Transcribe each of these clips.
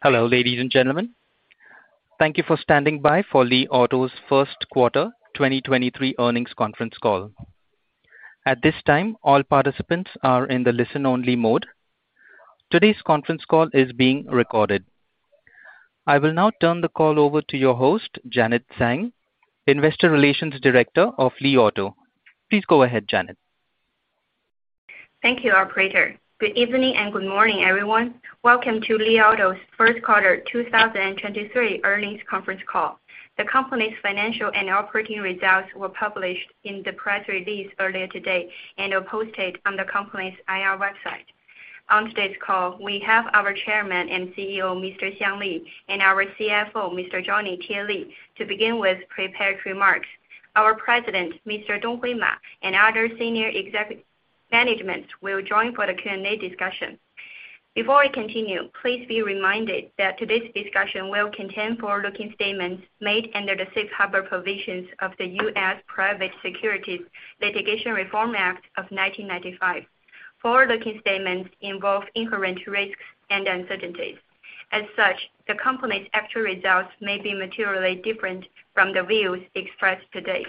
Hello, ladies and gentlemen, thank you for standing by for Li Auto's Q1 2023 earnings conference call. At this time, all participants are in the listen only mode. Today's conference call is being recorded. I will now turn the call over to your host Janet Chang, Investor Relations Director of Li Auto. Please go-ahead Janet. Thank you, operator. Good evening and good morning, everyone. Welcome to Li Auto's Q1 2023 earnings conference call. The company's financial and operating results were published in the press release earlier today and are posted on the company's IR website. On today's call, we have our Chairman and CEO Mr. Xiang Li and our CFO Mr. Johnny Tie Li to begin with prepared remarks. Our President, Mr. Donghui Ma, and other senior executive management will join for the Q&A discussion. Before we continue, please be reminded that today's discussion will contain forward-looking statements made under the Safe Harbor Provisions of the U.S. Private Securities Litigation Reform Act of 1995. Forward-looking statements involve inherent risks and uncertainties. As such, the company's actual results may be materially different from the views expressed today.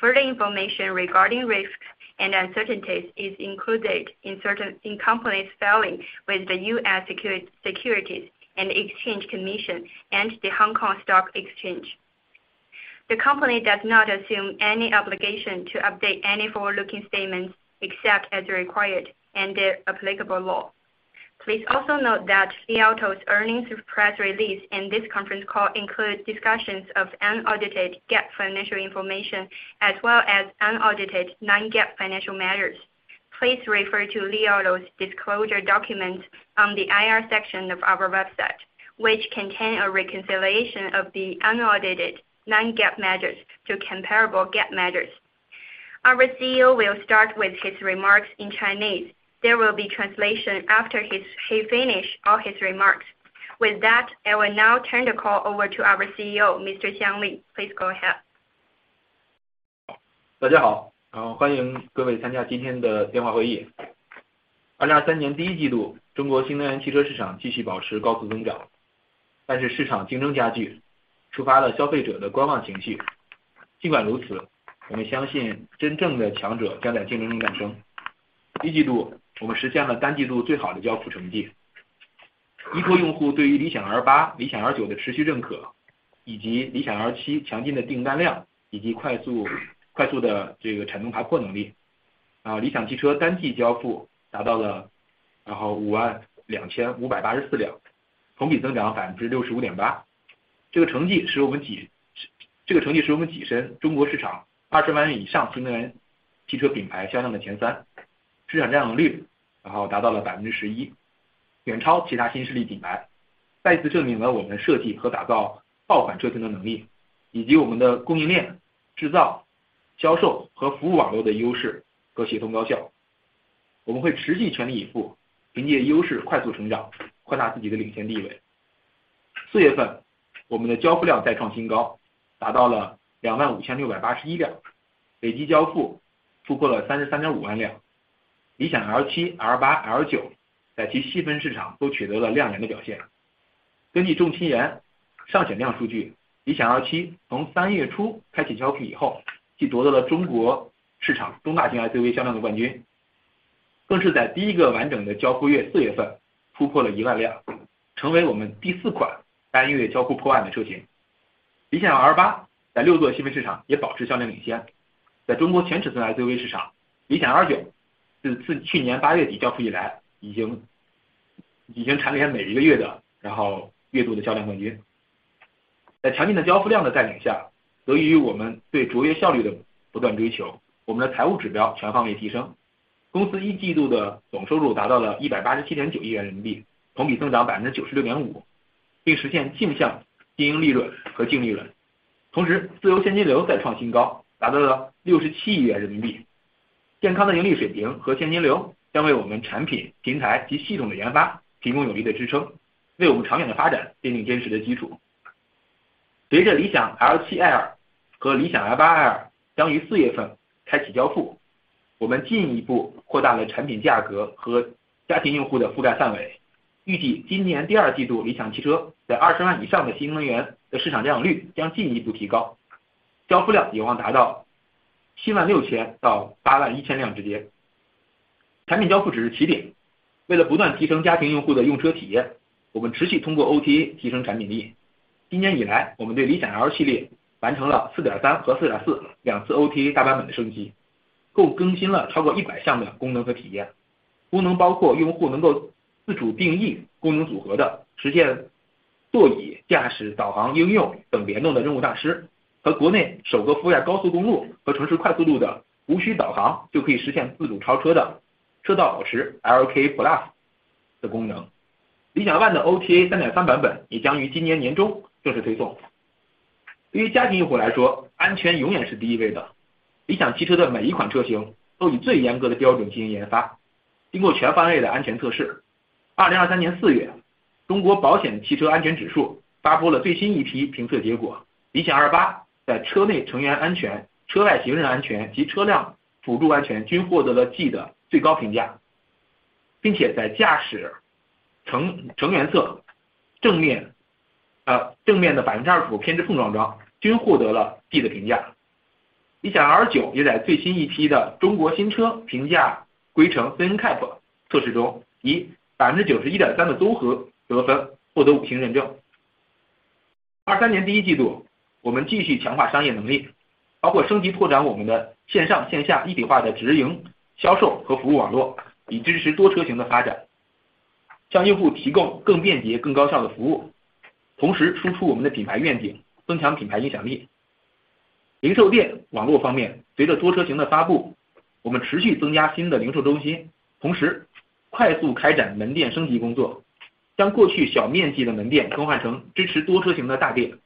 Further information regarding risks and uncertainties is included in certain company's filing with the U.S. Securities and Exchange Commission and the Hong Kong Stock Exchange. The company does not assume any obligation to update any forward-looking statements, except as required under applicable law. Please also note that Li Auto's earnings press release and this conference call includes discussions of unaudited GAAP financial information, as well as unaudited non-GAAP financial matters. Please refer to Li Auto's disclosure document on the IR section of our website, which contain a reconciliation of the unaudited non-GAAP measures to comparable GAAP measures. Our CEO will start with his remarks in Chinese. There will be translation after he finish all his remarks. With that, I will now turn the call over to our CEO, Mr. Xiang Li. Please go ahead. 大家 好， 欢迎各位参加今天的电话会议。二零二三年第一季 度， 中国新能源汽车市场继续保持高速增 长， 但是市场竞争加 剧， 触发了消费者的观望情绪。尽管如 此， 我们相信真正的强者将在竞争中诞生。第一季 度， 我们实现了单季度最好的交付成 绩， 依靠用户对于理想 L8、理想 L9 的持续认 可， 以及理想 L7 强劲的订单 量， 以及快 速， 快速的这个产能打破能 力， 啊理想汽车单季交付达到 了， 然后五万两千五百八十四 辆， 同比增长百分之六十五点八。这个成绩使我们 挤， 这个成绩使我们跻身中国市场二十万元以上新能源汽车品牌销量的前三，市场占有率然后达到了百分之十 一， 远超其他新势力品 牌， 再一次证明了我们设计和打造爆款车型的能 力， 以及我们的供应链、制造、销售和服务网络的优势和协同高效。我们会持续全力以 赴， 凭借优势快速成 长， 扩大自己的领先地位。四月 份， 我们的交付量再创新 高， 达到了两万五千六百八十一 辆， 累计交付突破了三十三点五万辆。理想 L7、L8、L9 在其细分市场都取得了亮眼的表现。根据中汽联上险量数 据， 理想 L7 从三月初开启交付以 后， 即夺得了中国市场中大型 SUV 销量的冠 军， 更是在第一个完整的交付月四月份突破了一万 辆， 成为我们第四款单月交付破万的车型。理想 L8 在六座细分市场也保持销量领先。在中国全尺寸 SUV 市 场， 理想 L9 自自去年八月底交付以 来， 已 经， 已经蝉联每一个月 的， 然后月度的销量冠军。在强劲的交付量的带领 下， 得益于我们对卓越效率的不断追 求， 我们的财务指标全方面提升。公司一季度的总收入达到了一百八十七点九亿元人民 币， 同比增长百分之九十六点 五， 并实现净项经营利润和净利润。同 时， 自由现金流再创新 高， 达到了六十七亿元人民币。健康的盈利水平和现金流将为我们产品、平台及系统的研发提供有力的支 撑， 为我们长远的发展奠定坚实的基础。随着理想 L7 Air 和理想 L8 Air 将于四月份开启交 付， 我们进一步扩大了产品价格和家庭用户的覆盖范围。预计今年第二季 度， 理想汽车在二十万以上的新能源的市场占有率将进一步提 高， 交付量有望达到七万六千到八万一千辆之间。产品交付只是起点。为了不断提升家庭用户的用车体 验， 我们持续通过 OTA 提升产品力。今年以 来， 我们对理想 L 系列完成了 4.3 和 4.4 两次 OTA 大版本的升 级， 共更新了超过一百项的功能和体 验， 功能包括用户能够自主定义功能组合的实现座椅、驾驶、导航、应用等联动的任务大师和国内首个覆盖高速公路和城市快速路的无需导航就可以实现自主超车的车道保持 LKA Plus 的功能。理想 ONE 的 OTA 3.0 版本也将于今年年中正式推送。对于家庭用户来 说， 安全永远是第一位的。理想汽车的每一款车型都以最严格的标准进行研 发， 经过全范围的安全测试。二零二三年四 月， 中国保险汽车安全指数发布了最新一批评测结 果， 理想 L8 在车内乘员安全、车外行人安全及车辆辅助安全均获得了 G 的最高评价。并且在驾驶成-成员侧正 面， 呃正面的百分之二十五偏置碰撞中均获得了 B 的评价。理想 L9 也在最新一批的中国新车评价规程 CNCAP 测试 中， 以百分之九十一点三的综合得分获得五星认证。二三年第一季度，我们继续强化商业能 力， 包括升级拓展我们的线上线下一体化的直营销售和服务网 络， 以支持多车型的发 展， 向用户提供更便捷更高效的服 务， 同时输出我们的品牌愿 景， 增强品牌影响力。零售店网络方 面， 随着多车型的发 布， 我们持续增加新的零售中 心， 同时快速开展门店升级工 作， 将过去小面积的门店转换成支持多车型的大店。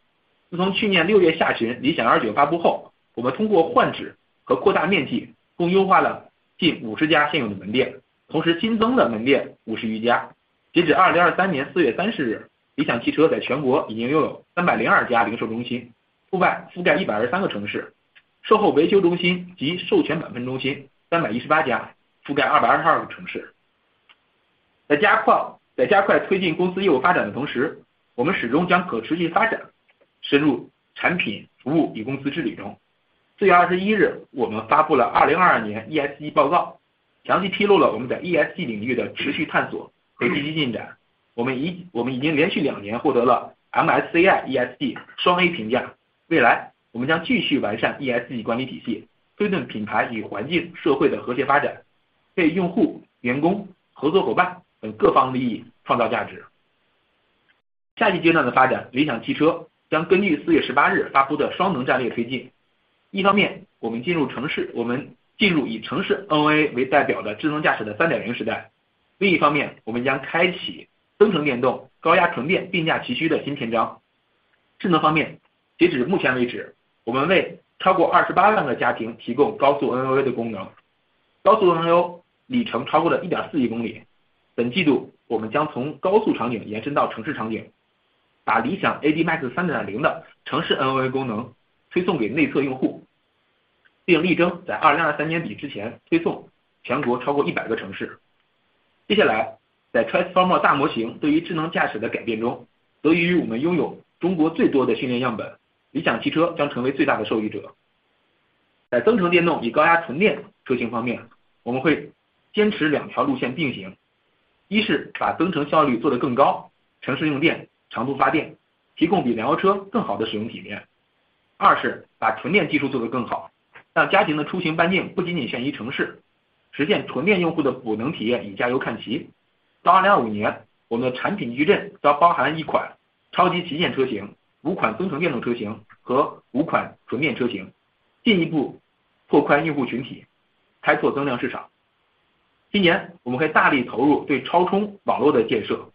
自从去年六月下旬理想 L9 发布 后， 我们通过换址和扩大面积共优化了近五十家现有的门 店， 同时新增了门店五十余家。截止2023年4月30 日， 理想汽车在全国已经拥有三百零二家零售中 心， 覆盖覆盖一百二十三个城 市， 售后维修中心及授权保险中心三百一十八 家， 覆盖二百二十二个城市。在加 快， 在加快推进公司业务发展的同 时， 我们始终将可持续发展深入产品、服务与公司治理中。4 月21 日， 我们发布了2022年 ESG 报 告， 详细披露了我们在 ESG 领域的持续探索和积极进展。我们 已， 我们已经连续两年获得了 MSCI ESG 双 A 评价。未来我们将继续完善 ESG 管理体 系， 推动品牌与环境社会的和谐发 展， 为用户、员工、合作伙伴等各方利益创造价值。下一阶段的发 展， 理想汽车将根据4月18日发布的双轮战略推进。一方 面， 我们进入城 市， 我们进入以城市 NOA 为代表的智能驾驶的三点零时代。另一方 面， 我们将开启增程电动高压纯电并驾齐驱的新篇章。智能方 面， 截止目前为 止， 我们为超过二十八万个家庭提供高速 NOA 的功 能， 高速 NOA 里程超过了一点四亿公里。本季度我们将从高速场景延伸到城市场景，把理想 AD MAX 三点零的城市 NOA 功能推送给内测用 户， 并力争在2023年底之前推送全国超过一百个城市。接下 来， 在 Transformer 大模型对于智能驾驶的改变 中， 得益于我们拥有中国最多的训练样 本， 理想汽车将成为最大的受益者。在增程电动与高压纯电车型方 面， 我们会坚持两条路线并 行， 一是把增城效率做得更 高， 城市用电，长途发 电， 提供比燃油车更好的使用体验。二是把纯电技术做得更 好， 让家庭的出行半径不仅仅限于城 市， 实现纯电用户的补能体验与加油看齐。到2025 年， 我们的产品矩阵将包含一款超级旗舰车型、五款增程电动车型和五款纯电车 型， 进一步拓宽用户群 体， 开拓增量市场。今年我们会大力投入对超充网络的建 设，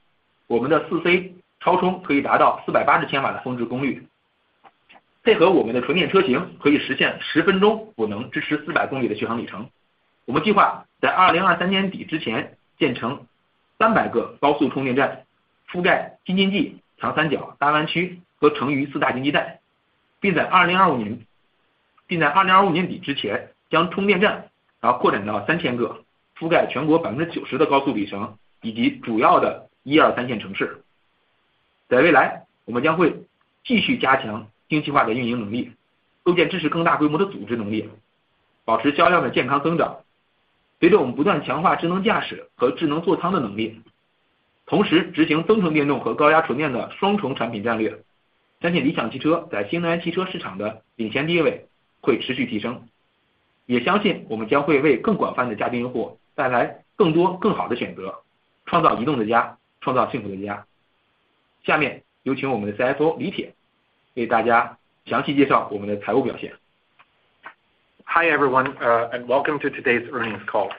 我们的 4C 超充可以达到四百八十千瓦的峰值功 率， 配合我们的纯电车 型， 可以实现十分钟补能支持四百公里的续航里程。我们计划在2023年底之前建成三百个高速充电 站， 覆盖京津冀、长三角、大湾区和成渝四大经济 带， 并在2025 年， 并在2025年底之前将充电站啊扩展到三千 个， 覆盖全国百分之九十的高速里程以及主要的一二线城市。在未 来， 我们将会继续加强精细化的运营能 力， 构建支持更大规模的组织能 力， 保持销量的健康增长。随着我们不断强化智能驾驶和智能座舱的能 力， 同时执行增程电动和高压纯电的双重产品战 略， 相信理想汽车在新能源汽车市场的领先地位会持续提升。也相信我们将会为更广泛的家庭用户带来更多更好的选 择， 创造移动的 家， 创造幸福的家。下面有请我们的 CFO 李铁为大家详细介绍我们的财务表现。Hi everyone, and welcome to today's earnings call.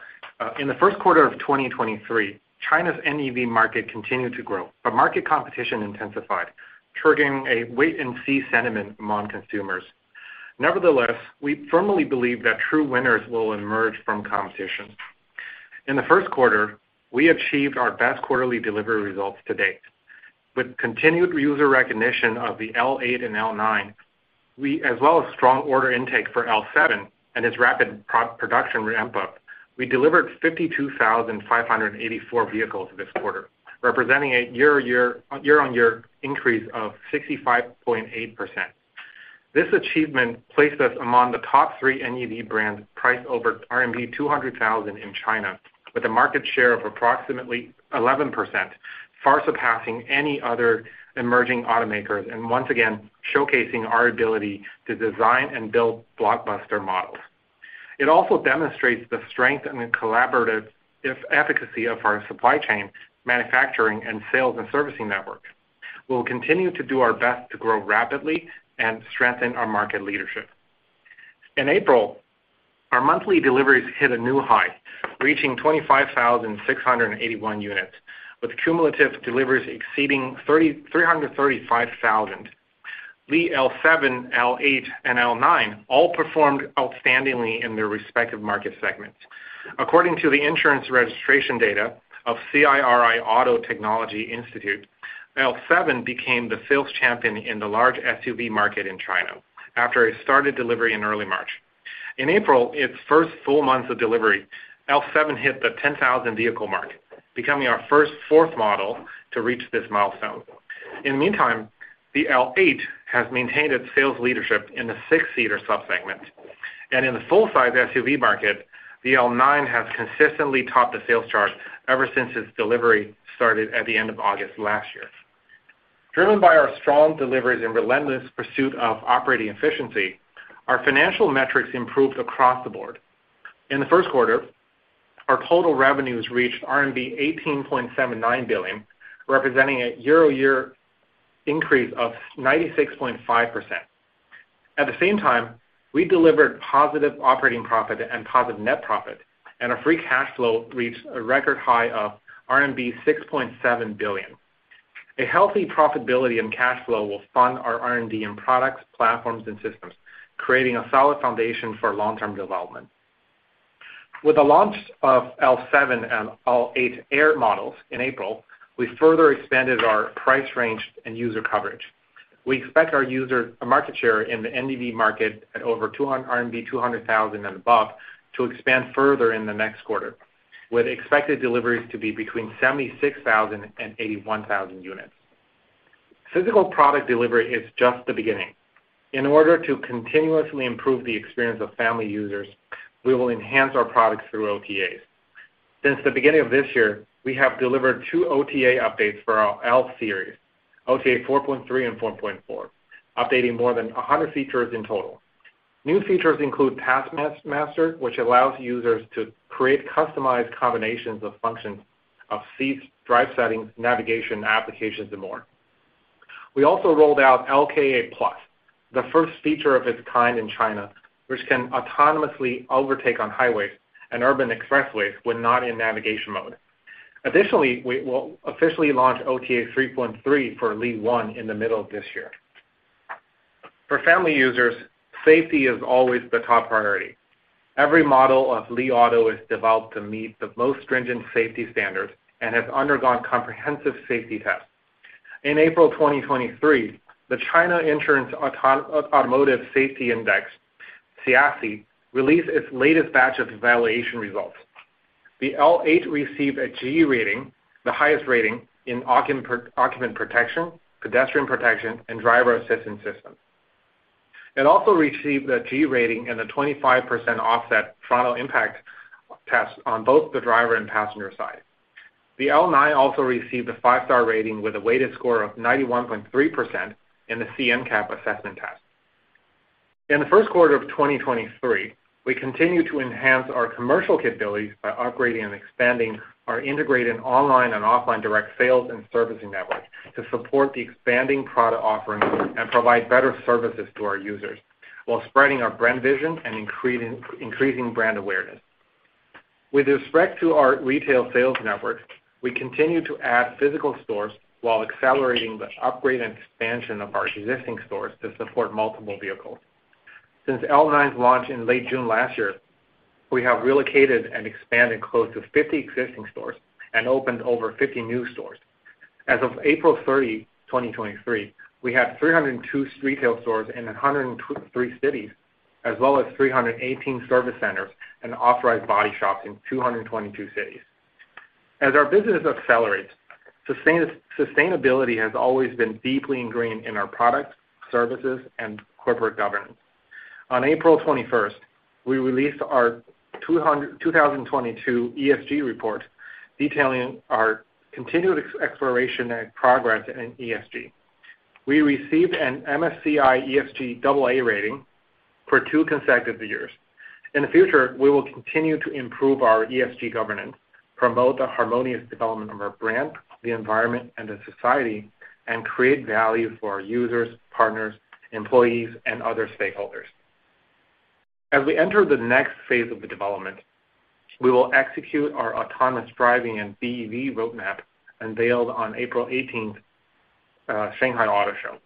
In the Q1 of 2023, China's EV market continued to grow, but market competition intensified, triggering a wait-and-see sentiment among consumers. Nevertheless, we firmly believe that true winners will emerge from competition. In the Q1, we achieved our best quarterly delivery results to date. With continued user recognition of the L8 and L9, we as well as strong order intake for L7 and its rapid pro-production ramp-up, we delivered 52,584 vehicles this quarter, representing a year-on-year increase of 65.8%. This achievement placed us among the top three NEV brands priced over RMB 200,000 in China with a market share of approximately 11%, far surpassing any other emerging automakers and once again showcasing our ability to design and build blockbuster models. It also demonstrates the strength and collaborative efficacy of our supply chain, manufacturing, and sales and servicing network. We'll continue to do our best to grow rapidly and strengthen our market leadership. In April, our monthly deliveries hit a new high, reaching 25,681 units, with cumulative deliveries exceeding 335,000. The L7, L8, and L9 all performed outstandingly in their respective market segments. According to the insurance registration data of CIRI Auto Technology Institute, L7 became the sales champion in the large SUV market in China after it started delivery in early March. In April, its first full month of delivery, L7 hit the 10,000 vehicle mark, becoming our first fourth model to reach this milestone. In the meantime, the L8 has maintained its sales leadership in the six-seater sub-segment. In the full-size SUV market, the L9 has consistently topped the sales chart ever since its delivery started at the end of August last year. Driven by our strong deliveries and relentless pursuit of operating efficiency, our financial metrics improved across the board. In the Q1, our total revenues reached RMB 18.79 billion, representing a year-over-year increase of 96.5%. At the same time, we delivered positive operating profit and positive net profit, and our free cash flow reached a record high of RMB 6.7 billion. A healthy profitability and cash flow will fund our R&D in products, platforms, and systems, creating a solid foundation for long-term development. With the launch of L7 and L8 Air models in April, we further expanded our price range and user coverage. We expect our user market share in the NEV market at over RMB 200,000 and above to expand further in the next quarter, with expected deliveries to be between 76,000 and 81,000 units. Physical product delivery is just the beginning. In order to continuously improve the experience of family users, we will enhance our products through OTAs. Since the beginning of this year, we have delivered two OTA updates for our L Series, OTA 4.3 and 4.4, updating more than 100 features in total. New features include Task Master, which allows users to create customized combinations of functions of seats, drive settings, navigation, applications, and more. We also rolled out LKA+, the first feature of its kind in China, which can autonomously overtake on highways and urban expressways when not in navigation mode. Additionally, we will officially launch OTA 3.3 for Li ONE in the middle of this year. For family users, safety is always the top priority. Every model of Li Auto is developed to meet the most stringent safety standards and has undergone comprehensive safety tests. In April 2023, the China Insurance Automotive Safety Index, C-IASI, released its latest batch of evaluation results. The L8 received a G rating, the highest rating in occupant protection, pedestrian protection, and driver assistance systems. It also received a G rating and a 25% offset frontal impact test on both the driver and passenger side. The L9 also received a 5-star rating with a weighted score of 91.3% in the C-NCAP assessment test. In the Q1 of 2023, we continued to enhance our commercial capabilities by upgrading and expanding our integrated online and offline direct sales and servicing networks to support the expanding product offerings and provide better services to our users while spreading our brand vision and increasing brand awareness. With respect to our retail sales network, we continue to add physical stores while accelerating the upgrade and expansion of our existing stores to support multiple vehicles. Since L9's launch in late June last year, we have relocated and expanded close to 50 existing stores and opened over 50 new stores. As of April 30, 2023, we have 302 retail stores in 103 cities, as well as 318 service centers and authorized body shops in 222 cities. As our business accelerates, sustainability has always been deeply ingrained in our products, services, and corporate governance. On April 21st, we released our 2022 ESG report detailing our continued exploration and progress in ESG. We received an MSCI ESG AA rating for two consecutive years. In the future, we will continue to improve our ESG governance, promote the harmonious development of our brand, the environment, and the society, and create value for our users, partners, employees, and other stakeholders. As we enter the next phase of the development, we will execute our autonomous driving and BEV roadmap unveiled on April 18th, Shanghai Auto Show.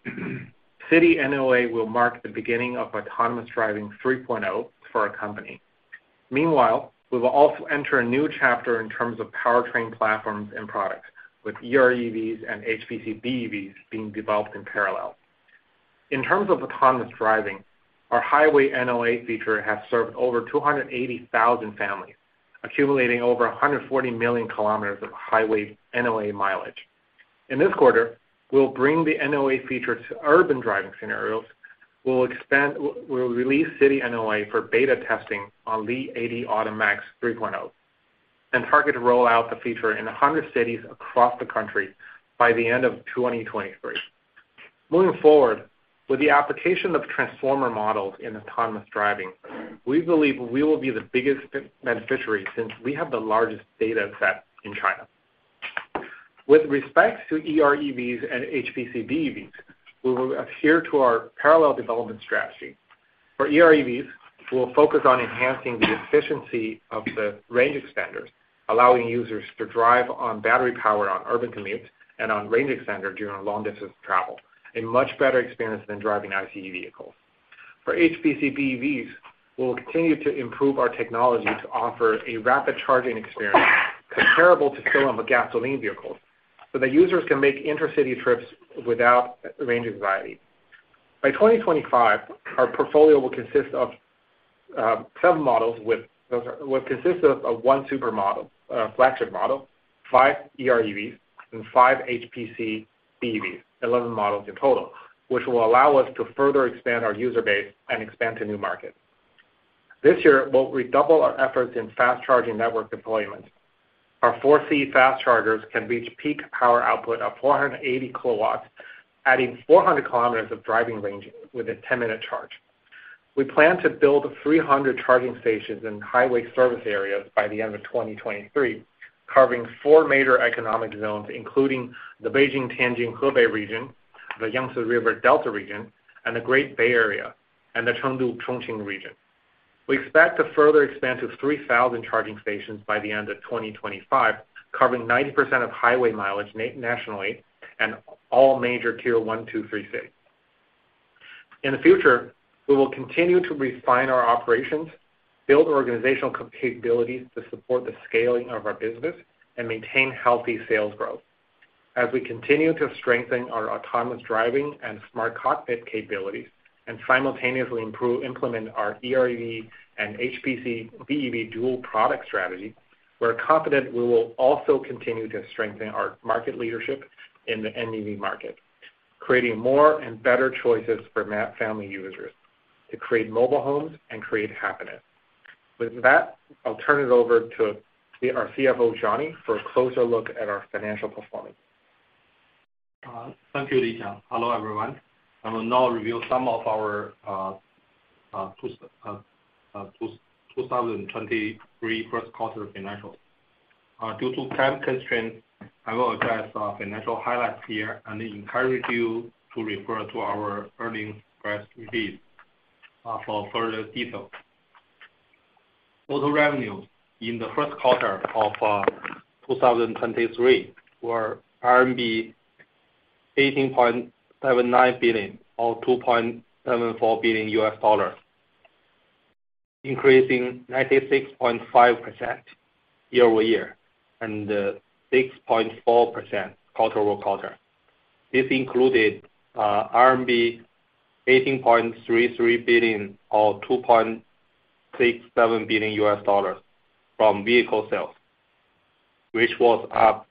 city NOA will mark the beginning of autonomous driving 3.0 for our company. Meanwhile, we will also enter a new chapter in terms of powertrain platforms and products with EREVs and HPC BEVs being developed in parallel. In terms of autonomous driving, our highway NOA feature has served over 280,000 families, accumulating over 140 million kilometers of highway NOA mileage. In this quarter, we'll bring the NOA feature to urban driving scenarios. We'll release City NOA for beta testing on Li AD Max 3.0 and target to roll out the feature in 100 cities across the country by the end of 2023. Moving forward, with the application of Transformer models in autonomous driving, we believe we will be the biggest beneficiary since we have the largest data set in China. With respect to EREVs and HPC BEVs, we will adhere to our parallel development strategy. For EREVs, we'll focus on enhancing the efficiency of the range extenders, allowing users to drive on battery power on urban commutes and on range extender during long-distance travel, a much better experience than driving ICE vehicles. For HPC BEVs, we will continue to improve our technology to offer a rapid charging experience comparable to filling up a gasoline vehicle, so that users can make intracity trips without range anxiety. By 2025, our portfolio will consist of 1 super model, flagship model, 5 EREVs, and 5 HPC BEVs, 11 models in total, which will allow us to further expand our user base and expand to new markets. This year, we'll redouble our efforts in fast charging network deployment. Our 4C fast chargers can reach peak power output of 480 kW, adding 400 km of driving range with a 10-minute charge. We plan to build 300 charging stations in highway service areas by the end of 2023, covering four major economic zones, including the Beijing-Tianjin-Hebei region, the Yangtze River Delta region, and the Great Bay Area, and the Chengdu-Chongqing region. We expect to further expand to 3,000 charging stations by the end of 2025, covering 90% of highway mileage nationally and all major tier one, two, three cities. In the future, we will continue to refine our operations, build organizational capabilities to support the scaling of our business, and maintain healthy sales growth. We continue to strengthen our autonomous driving and smart cockpit capabilities, and simultaneously implement our EREV and HPC BEV dual product strategy, we're confident we will also continue to strengthen our market leadership in the NEV market, creating more and better choices for family users to create mobile homes and create happiness. With that, I'll turn it over to our CFO, Johnny, for a closer look at our financial performance. Thank you, Li Xiang. Hello, everyone. I will now review some of our 2023 Q1 financials. Due to time constraints, I will address our financial highlights here and encourage you to refer to our earnings press release for further details. Auto revenues in the Q1 of 2023 were RMB 18.79 billion, or $2.74 billion, increasing 96.5% year-over-year and 6.4% quarter-over-quarter. This included RMB 18.33 billion, or $2.67 billion from vehicle sales, which was up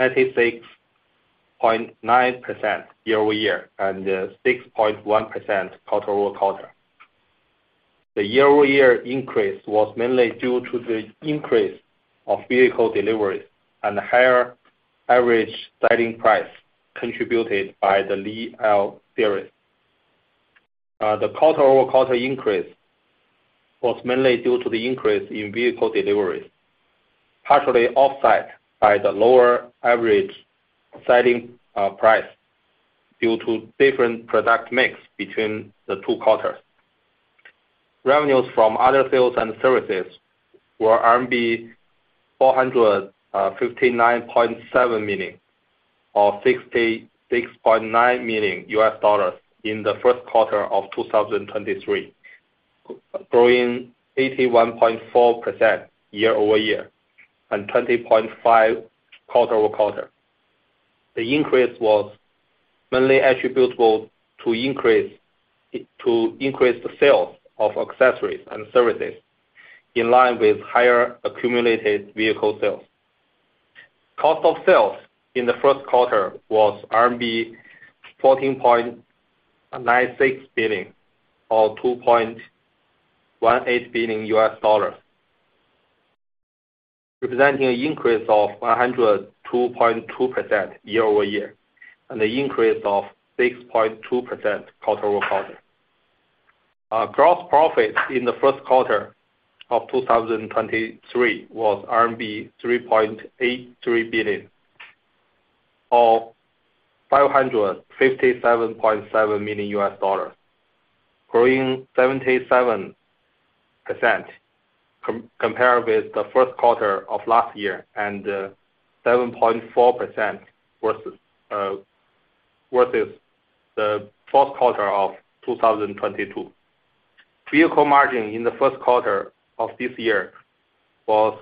96.9% year-over-year, and 6.1% quarter-over-quarter. The year-over-year increase was mainly due to the increase of vehicle deliveries and higher average selling price contributed by the Li L series. The quarter-over-quarter increase was mainly due to the increase in vehicle deliveries, partially offset by the lower average selling price due to different product mix between the two quarters. Revenues from other sales and services were RMB 459.7 million, or $66.9 million in the first quarter of 2023, growing 81.4% year-over-year and 20.5% quarter-over-quarter. The increase was mainly attributable to increased sales of accessories and services in line with higher accumulated vehicle sales. Cost of sales in the Q1 was RMB 14.96 billion, or $2.18 billion, representing an increase of 102.2% year-over-year, and an increase of 6.2% quarter-over-quarter. Gross profit in the Q1 of 2023 was RMB 3.83 billion, or $557.7 million, growing 77% compared with the Q1 of last year, and 7.4% versus the Q4 of 2022. Vehicle margin in the Q1 of this year was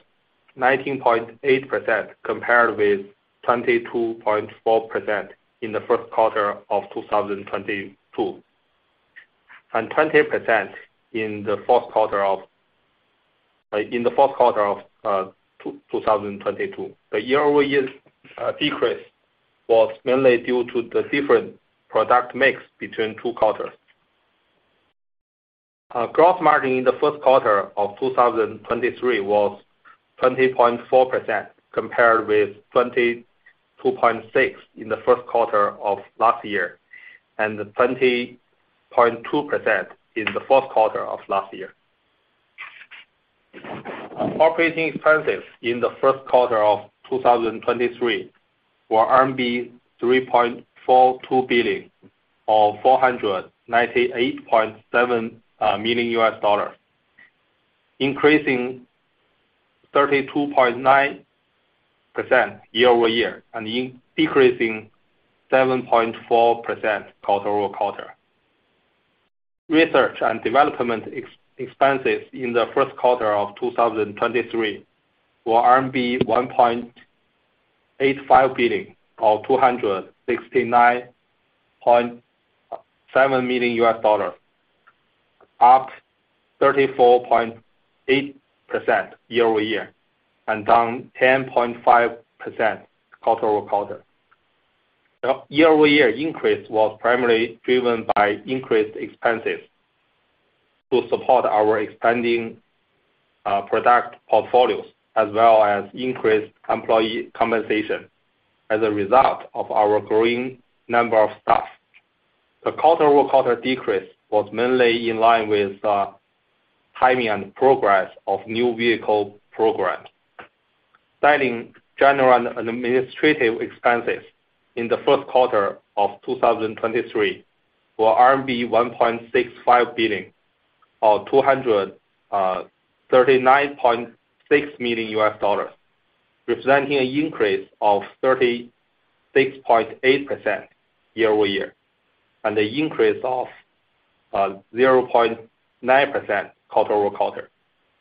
19.8% compared with 22.4% in the Q1 of 2022, and 20% in the Q4 of 2022. The year-over-year decrease was mainly due to the different product mix between two quarters. Gross margin in the Q1 of 2023 was 20.4% compared with 22.6% in the Q1 of last year, and 20.2% in the Q4 of last year. Operating expenses in the Q1 of 2023 were RMB 3.42 billion, or $498.7 million. Increasing 32.9% year-over-year and decreasing 7.4% quarter-over-quarter. Research and development expenses in the Q1 of 2023 were RMB 1.85 billion, or $269.7 million. Up 34.8% year-over-year, and down 10.5% quarter-over-quarter. The year-over-year increase was primarily driven by increased expenses to support our expanding product portfolios as well as increased employee compensation as a result of our growing number of staff. The quarter-over-quarter decrease was mainly in line with the timing and progress of new vehicle programs. Selling, general, and administrative expenses in the Q1 of 2023 were RMB 1.65 billion, or $239.6 million, representing an increase of 36.8% year-over-year, and the increase of 0.9% quarter-over-quarter.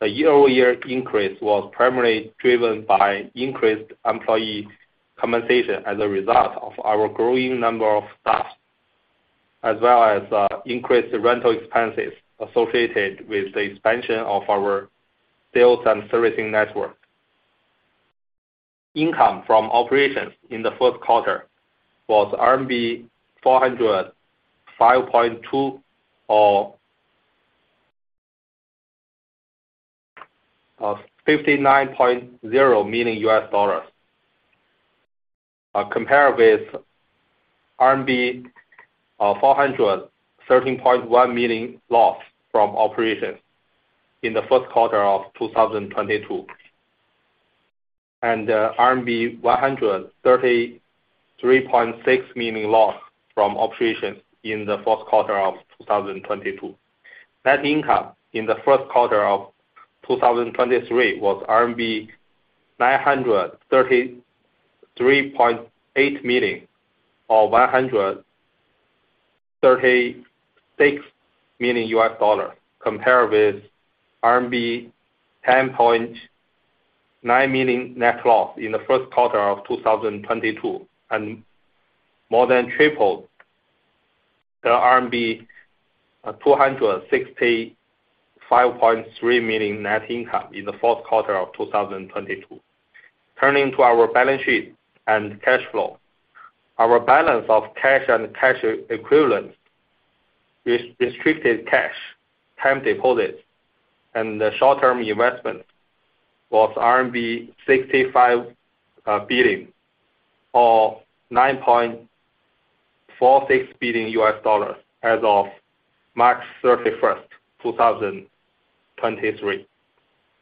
The year-over-year increase was primarily driven by increased employee compensation as a result of our growing number of staff, as well as increased rental expenses associated with the expansion of our sales and servicing network. Income from operations in the Q1 was RMB 405.2 or $59.0 million, compared with RMB 413.1 million loss from operations in the Q1 of 2022, and RMB 133.6 million loss from operations in the Q4 of 2022. Net income in the Q1 of 2023 was RMB 933.8 million, or $136 million, compared with RMB 10.9 million net loss in the Q1 of 2022, and more than tripled the RMB 265.3 million net income in the Q4 of 2022. Turning to our balance sheet and cash flow. Our balance of cash and cash equivalents is restricted cash, time deposits, and the short-term investment was RMB 65 billion, or $9.46 billion as of March 31st, 2023.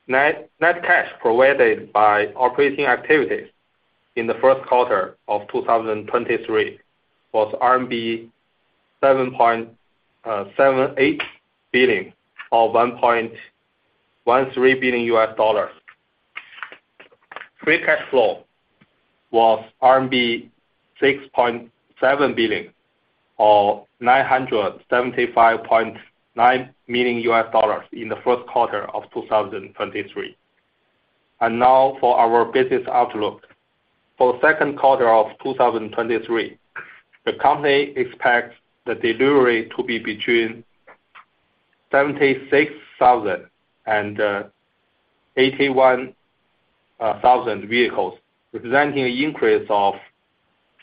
Net cash provided by operating activities in the Q1 of 2023 was RMB 7.78 billion, or $1.13 billion. Free cash flow was RMB 6.7 billion or $975.9 million in the of 2023. Now for our business outlook. For q2of 2023, the company expects the delivery to be between 76,000 and 81,000 vehicles, representing an increase of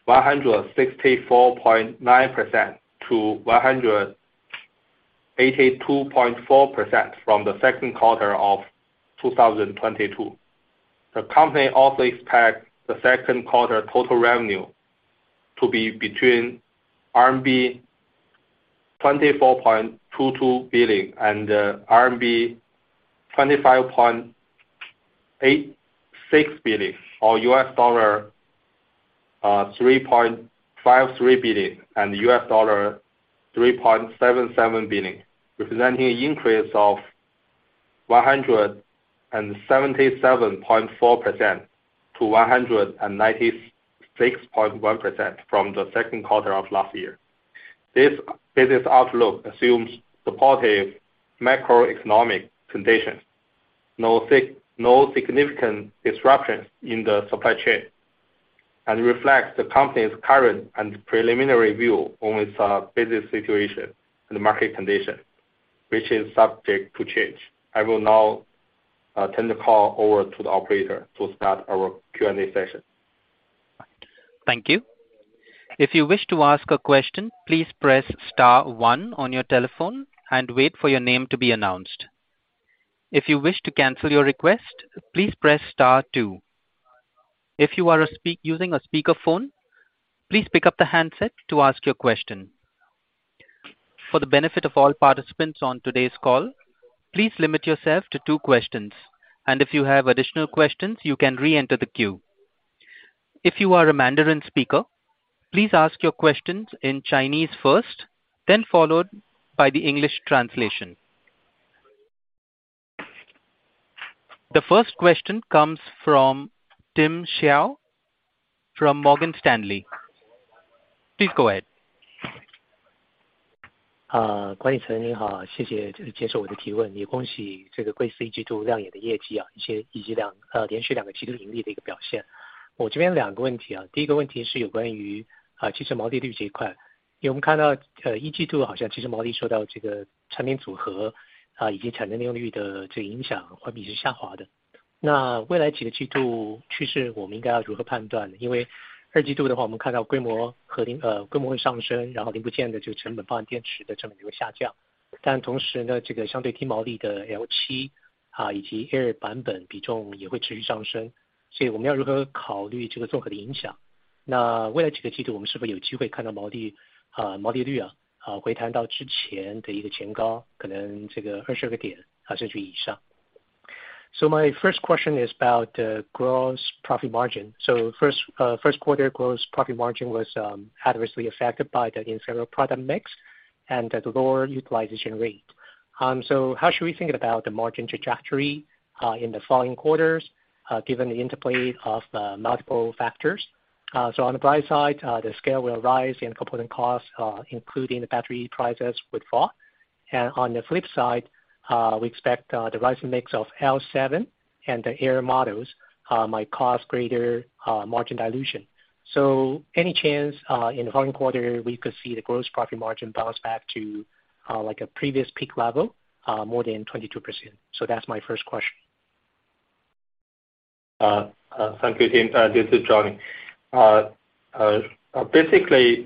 164.9%-182.4% from the Q2 of 2022. The company also expects the Q2 total revenue to be between RMB 24.22 billion and RMB 25.86 billion or $3.53 billion and $3.77 billion, representing an increase of 177.4%-196.1% from the Q2 of last year. This business outlook assumes supportive macroeconomic conditions. No significant disruptions in the supply chain, and reflects the company's current and preliminary view on its business situation and market condition, which is subject to change. I will now turn the call over to the operator to start our Q&A session. Thank you. If you wish to ask a question, please press star one on your telephone and wait for your name to be announced. If you wish to cancel your request, please press star two. If you are using a speakerphone, please pick up the handset to ask your question. For the benefit of all participants on today's call, please limit yourself to two questions. If you have additional questions, you can re-enter the queue. If you are a Mandarin speaker, please ask your questions in Chinese first, then followed by the English translation. The first question comes from Tim Hsiao from Morgan Stanley. Please go ahead. 度的话，我们看到规模和规模会上升，然后零部件的这个成本，放电池的成本就会下降。但同时呢，这个相对低毛利的 L7，以及 Air 版本比重也会持续上升，所以我们要如何考虑这个综合的影响？那未来几个季度我们是不是有机会看到毛利，毛利率回弹到之前的一个前高，可能这个20个点，甚至以上。My first question is about the gross profit margin. First, Q1 gross profit margin was adversely affected by the in several product mix and the lower utilization rate. How should we think about the margin trajectory in the following quarters, given the interplay of the multiple factors. On the buy side, the scale will rise and component costs, including the battery prices with fall. On the flip side, we expect the rising mix of L7 and the Air models might cause greater margin dilution. Any chance in the following quarter, we could see the gross profit margin bounce back to like a previous peak level, more than 22%. That's my first question. Thank you, Tim. This is Johnny. Basically,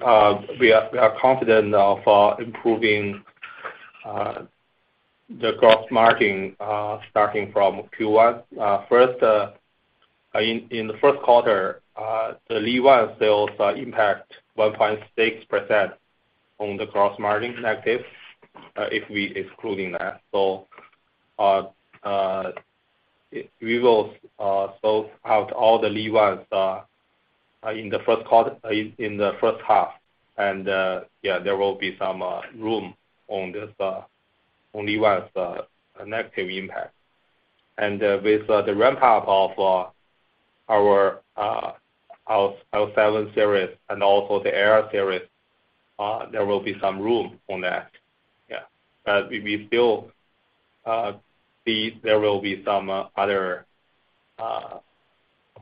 we are confident of improving the gross margin starting from Q1. First, in the Q1, the Li ONE sales impact 1.6% on the gross margin negative, if we excluding that. We will sold out all the Li ONEs in the Q1, in the first half, and yeah, there will be some room on this on Li ONE's negative impact. With the ramp up of our L7 series and also the Air series, there will be some room on that, yeah. We still see there will be some other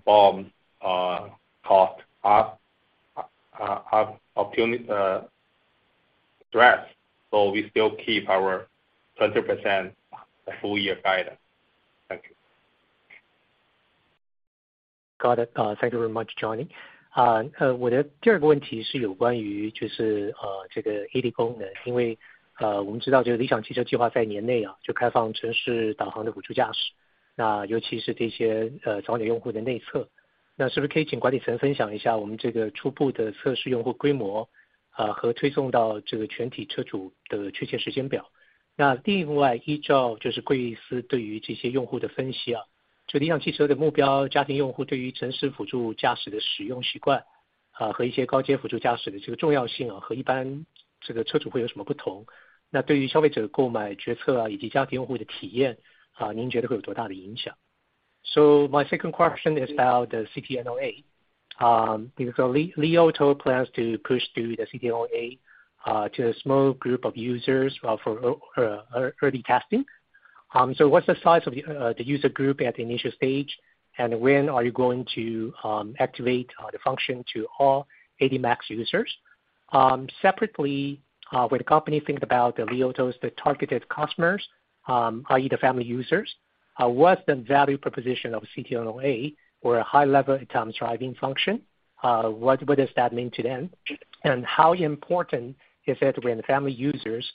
BOM cost threats, so we still keep our 20% full year guidance. Thank you. Got it. Thank you very much Johnny. 呃，我的第二个问题是有关于是，呃，这个 AD 功能，因为，呃，我们知道这个理想汽车计划在年内啊就开放城市导航的辅助驾驶，那尤其是对一些，呃，早鸟用户的内测，那是不是可以请管理层分享一下我们这个初步的测试用户规模，啊，和推送到这个全体车主的具体时间表。那另外，依照就是贵司对于这些用户的分析啊，这个理想汽车的目标家庭用户对于城市辅助驾驶的使用习惯，啊，和一些高阶辅助驾驶的这个重要性啊，和一般这个车主会有什么不同？那对于消费者的购买决策啊，以及家庭用户的体验，啊，您觉得会有多大的影响？My second question is about the City NOA, 因为所以 Li Auto plans to push through the City NOA to a small group of users for early testing. What's the size of the user group at the initial stage, and when are you going to activate the function to all AD Max users? Separately, when the company think about the Li Auto's that targeted customers are either family users, what's the value proposition of City NOA or a high level autonomous driving function, what does that mean to them? And how important is it when the family users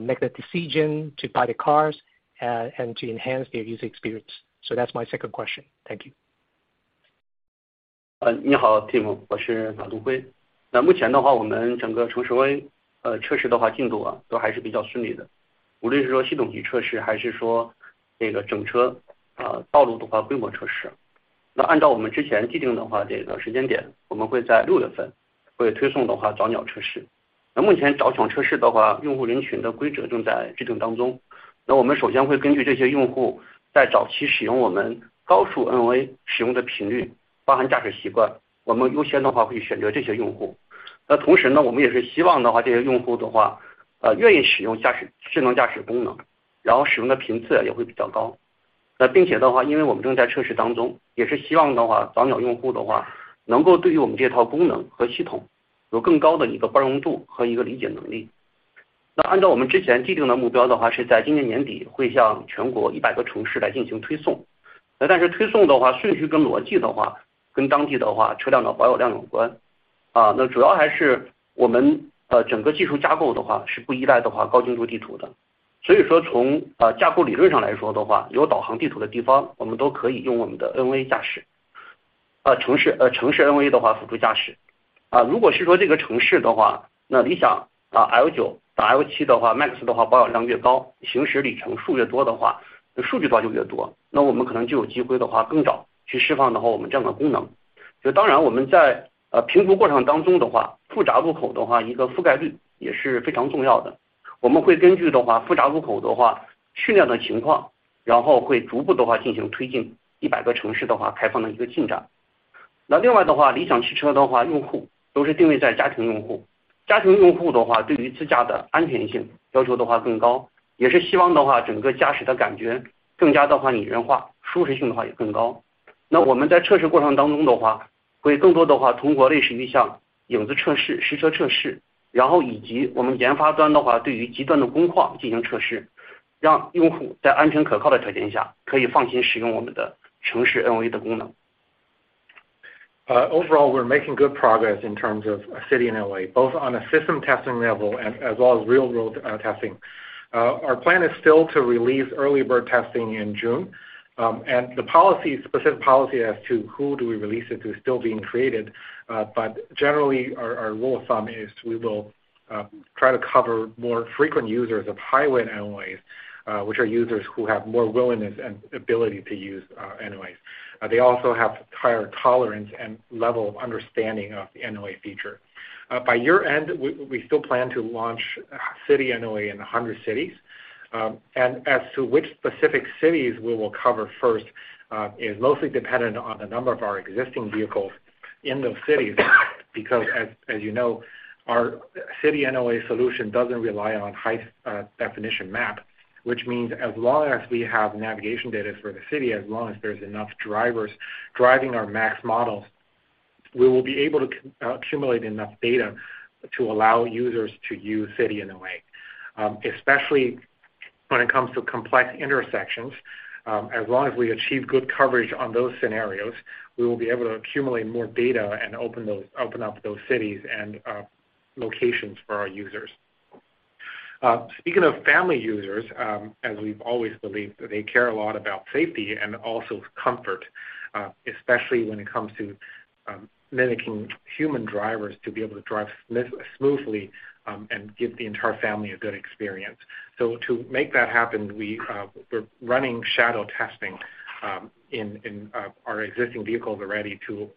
make the decision to buy the cars and to enhance their user experience? That's my second question. Thank you. 你好, Tim, 我是 马东辉. 目前的话我们整个 city NOA 测试 的话, 进度都还是比较顺利 的, 无论是说系统级 测试, 还是说这个整车道路 的话, 规模 测试. 按照我们之前定 的话, 这个时间点我们会在 6 月份会推送的话早鸟 测试. 目前早鸟测试 的话, 用户人群的规则正在制定 当中. 我们首先会根据这些用户在早期使用我们高速 NOA 使用的 频率, 包含驾驶 习惯, 我们优先的话会选择这些 用户. 同时 呢, 我们也是希望 的话, 这些用户 的话, 愿意使用 驾驶, 智能驾驶 功能, 然后使用的频次也会比较 高. 并且 的话, 因为我们正在测试 当中, 也是希望 的话, 早鸟用户 的话, 能够对于我们这套功能和系统有更高的一个包容度和一个理解 能力. 按照我们之前既定的目标 的话, 是在今年年底会向全国 100个城市来进行 推送. 但是推送的话顺序跟逻辑 的话, 跟当地的话车辆的保有量 有关. 主要还是我们整个技术架构 的话, 是不依赖的话高精度地图 的. 所以说从架构理论上来说 的话, 有导航地图的地方我们都可以用我们的 NOA 驾驶, city NOA 的话辅助 驾驶. 如果是说这个城市 的话, Li Auto L9, L7, AD Max 的话保有量 越高, 行驶里程数越多 的话, 数据端就 越多, 我们可能就有机会的话更早去释放的话我们这样的 功能. 当然我们在评估过程当中 的话, 复杂路口 的话, 一个覆盖率也是非常重要 的. 我们会根据的话复杂路口的话训练的 情况, 然后会逐步的话进行推进 100个城市的话开放的一个 进展. 另外 的话, Li Auto 的话, 用户都是定位在家庭 用户. 家庭用户的话对于自驾的安全性要求的话 更高, 也是希望的话整个驾驶的感觉更加的话 拟人化, 舒适性的话也 更高. 我们在测试过程当中 的话, 会更多的话通过类似于像影子 测试, 实车 测试, 以及我们研发端 的话, 对于极端的工况进行 测试, 让用户在安全可靠的前提下可以放心使用我们的 city NOA 的 功能. Overall we're making good progress in terms of city NOA both on a system testing level as well as real world testing. Our plan is still to release early bird testing in June. The policy, specific policy as to who do we release it to is still being created. Generally our rule of thumb is we will try to cover more frequent users of highway NOAs, which are users who have more willingness and ability to use NOAs. They also have higher tolerance and level of understanding of the NOA feature. By year-end, we still plan to launch city NOA in 100 cities, as to which specific cities we will cover first, is mostly dependent on the number of our existing vehicles in those cities. As you know, our city NOA solution doesn't rely on height definition map, which means as long as we have navigation data for the city, as long as there's enough drivers driving our mass models, we will be able to accumulate enough data to allow users to use city NOA. Especially when it comes to complex intersections. As long as we achieve good coverage on those scenarios, we will be able to accumulate more data and open up those cities and locations for our users. Speaking of family users, as we've always believed, they care a lot about safety and also comfort, especially when it comes to mimicking human drivers to be able to drive smoothly and give the entire family a good experience. To make that happen, we're running shadow testing in our existing vehicles already to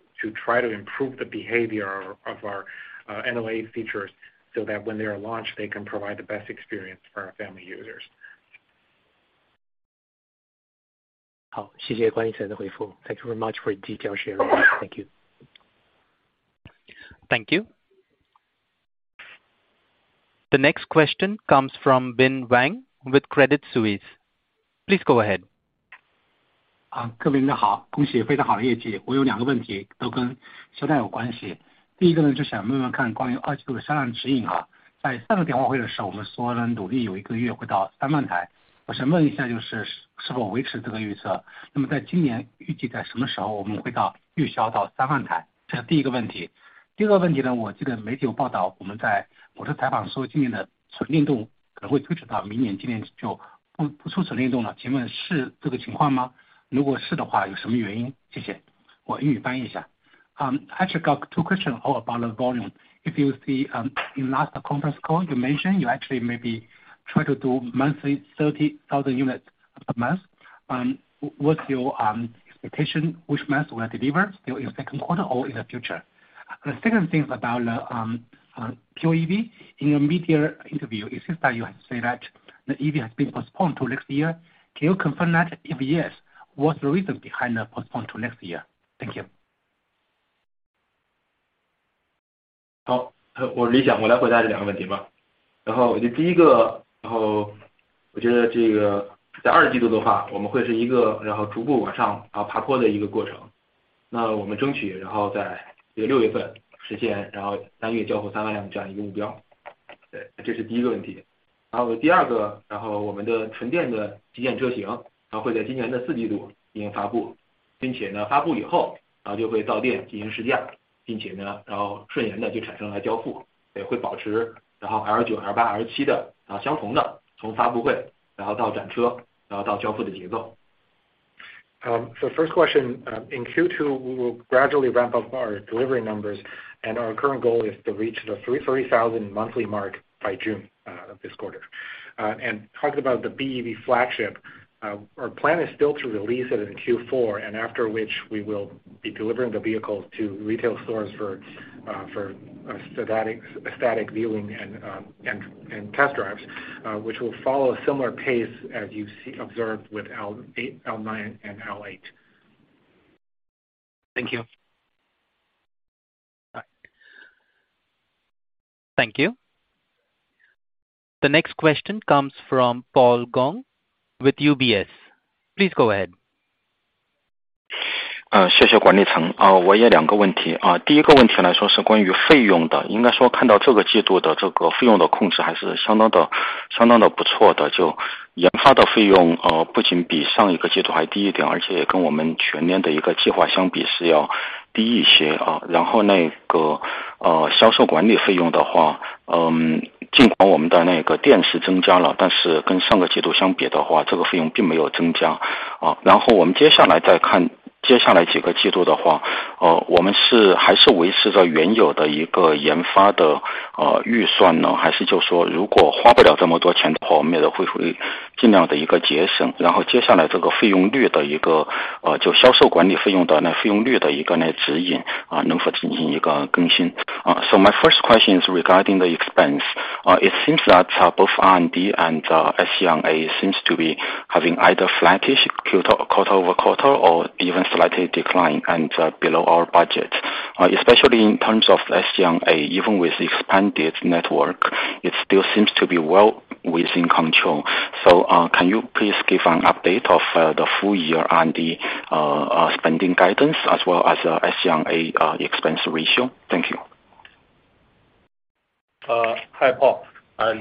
try to improve the behavior of our NOA features so that when they are launched, they can provide the best experience for our family users. 好， 谢谢管理层的回复。Thank you very much for your detail sharing. Thank you. Thank you. The next question comes from Bin Wang with Credit Suisse. Please go ahead. 好， 各位领导 好， 恭喜有非常好的业绩。我有两个问 题， 都跟销量有关系。第一个 呢， 就想问问看关于二季度的销量指引 啊， 在上个电话会的时 候， 我们说努力有一个月会到三万 台， 我想问一 下， 就是是否维持这个预测。那么在今年预计在什么时候我们会到预销到三万 台？ 这是第一个问题。第二个问题 呢， 我记得媒体有报 道， 我们在博士采访说今年的纯电动可能会推迟到明 年， 今年就 不， 不出纯电动了。请问是这个情况 吗？ 如果是的 话， 有什么原 因？ 谢谢。我英语翻译一 下. Actually got two questions all about volume. If you see, in last conference call you mention you actually maybe try to do monthly 30,000 units of the month. What's your expectation, which month will deliver, still in Q2 or in the future? The second thing is about EREV. In your media interview, it seems that you have say that the EV has been postponed to next year. Can you confirm that? If yes, what's the reason behind the postpone to next year? Thank you. 好, 我 Li Xiang 我来回答这两个问题 吧. 我觉得第一 个, 我觉得这个在 2Q 的 话, 我们会是一个逐步往上爬坡的一个过 程, 那我们争取在 June 份实现单月交付 30,000 辆这样一个目 标. 对, 这是第一个问 题. 第二 个, 我们的纯电的旗舰车 型, 它会在今年的 4Q 进行发 布, 并且 呢, 发布以后就会造电进行试 驾, 并且 呢, 顺延的就产生了交 付, 也会保持 L9, L8, L7 的相同的从发布会到展车到交付的节 奏. First question, in Q2, we will gradually ramp up our delivery numbers and our current goal is to reach the 30,000 monthly mark by June this quarter. Talking about the BEV flagship, our plan is still to release it in Q4, and after which we will be delivering the vehicles to retail stores for static viewing and test drives, which will follow a similar pace as you've observed with L8, L9 and L8. Thank you. Thank you. The next question comes from Paul Gong with UBS. Please go ahead. 谢谢管理层。我有 2 个问题。第 1 个问题来说是关于费用的，应该说看到这个季度的这个费用的控制还是相当的不错的，就研发的费用，不仅比上 1 个季度还低 1 点，而且也跟我们全年 的1 个计划相比，是要低一些。然后那个销售管理费用的话，尽管我们的那个电是增加了，但是跟上个季度相比的话，这个费用并没有增加。然后我们接 下来几个季度的话，我们是还是维持着原有 的1 个研发的预算呢，还是就说如果花不了这么多钱的话，我们也会尽量的 1 个节省，然后接 下来这个费用率的1 个，就销售管理费用的那个费用率 的1 个那指引，能否进行 1 个更新。My first question is regarding the expense. It seems that both R&D and SG&A seems to be having either flattish quarter-over-quarter or even slightly decline and below our budget. Especially in terms of SG&A, even with expanded network, it still seems to be well within control. Can you please give an update of the full year R&D spending guidance as well as SG&A expense ratio? Thank you. Hi, Paul.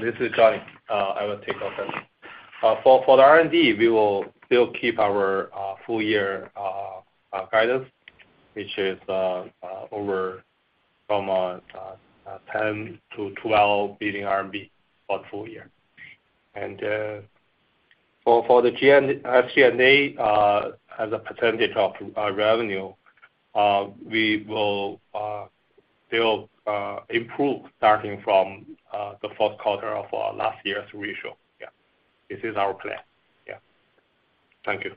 This is Johnny. I will take over. For the R&D, we will still keep our full year guidance, which is over from 10 billion-12 billion RMB for full year. For the GN, SG&A, as a % of revenue, we will still improve starting from the Q4 of last year's ratio. Yeah. This is our plan. Yeah. Thank you.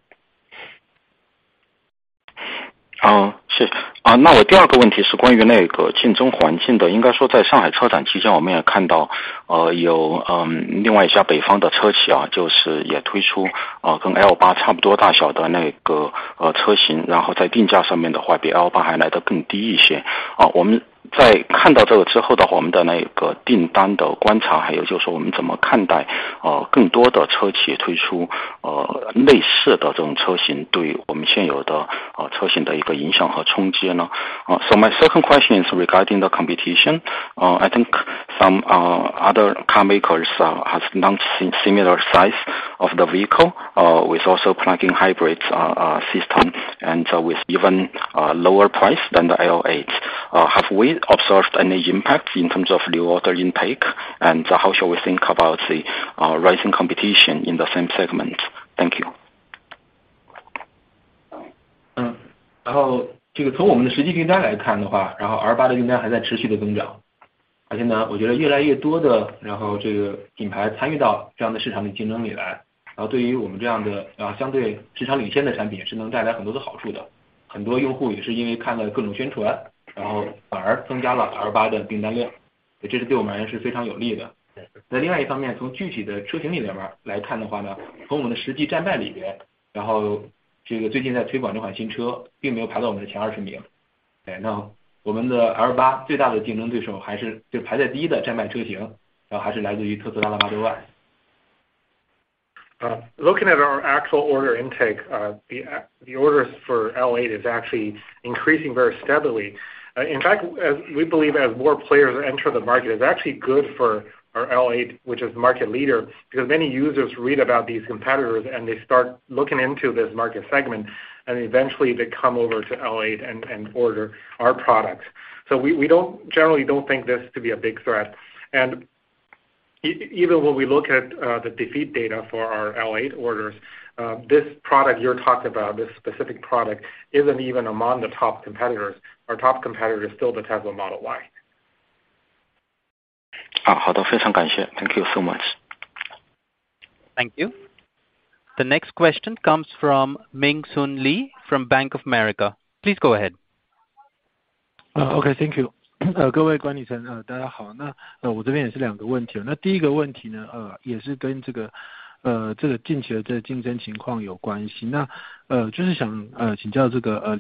是。我第二个问题是关于那个竞争环境的。应该说在上海车展期间我们也看到，有另外一家北方的车企，就是也推出，跟 L8 差不多大小的那个车型，然后在定价上面的话，比 L8 还来得更低一些。我们在看到这个之后的话，我们的那个订单的观察，还有就是说我们怎么看待，更多的车企推出类似的这种车型，对于我们现有的车型的一个影响和冲击呢？My second question is regarding the competition. I think some other car makers has launched similar size of the vehicle, with also plugin hybrid system. With even, lower price than the L8. Have we observed any impact in terms of new order intake? How should we think about the, rising competition in the same segment? Thank you. 这个从我们的实际订单来看的 话， 然后 R8 的订单还在持续的增 长， 而且 呢， 我觉得越来越多 的， 然后这个品牌参与到这样的市场的竞争里 来， 然后对于我们这样的相对市场领先的产品也是能带来很多的好处 的， 很多用户也是因为看了各种宣传，然后反而增加了 R8 的订单 量， 这是对我们来说是非常有利的。在另外一方 面， 从具体的车型里面来看的话 呢， 从我们的实际占卖里 边， 然后这个最近在推广这款新车并没有排到我们的前20 名。我们的 R8 最大的竞争对手还是就排在 1st 的占卖车 型， 然后还是来自于 Tesla 的 Model Y。Looking at our actual order intake, the orders for L8 is actually increasing very steadily. In fact, we believe as more players enter the market is actually good for our L8, which is market leader, because many users read about these competitors and they start looking into this market segment, and eventually they come over to L8 and order our products. We don't, generally don't think this to be a big threat. Even when we look at the defeat data for our L8 orders, this product you're talking about, this specific product isn't even among the top competitors. Our top competitor is still the Tesla Model Y. 好 的， 非常感谢。Thank you so much. Thank you. The next question comes from Ming Hsun Lee from Bank of America. Please go ahead. OK, thank you. 各位管理层，大家好，我这边也是2个问题。第一个问题呢，也是跟这个近期的这个竞争情况有关系。就是想请教 Li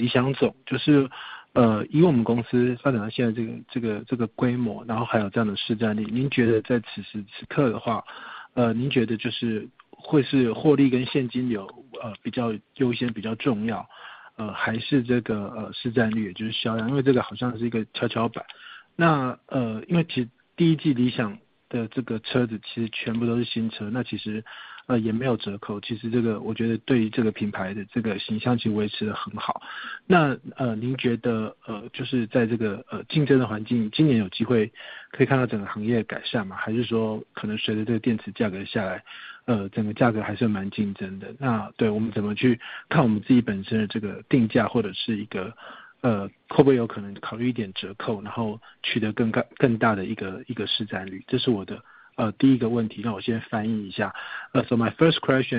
Xiang 总，就是以我们公司发展到现在这个规模，然后还有这样的市占率，您觉得在此时此刻的话，您觉得就是会是获利跟现金流比较优先，比较重要，还是这个市占率也就是销量，因为这个好像是一个跷跷板？因为其实第一季 Li Xiang 的这个车子其实全部都是新车，其实也没有折扣，其实这个我觉得对于这个品牌的这个形象其实维持得很好。您觉得就是在竞争的环境，今年有机会可以看到整个行业改善吗？还是说可能随着这个电池价格下来，整个价格还是蛮竞争的。对我们怎么去看我们自己本身的这个定价，或者是一个会不会有可能考虑一点折扣，然后取得更大的一个市占率？这是我的第一个问题，我先翻译一下。My first question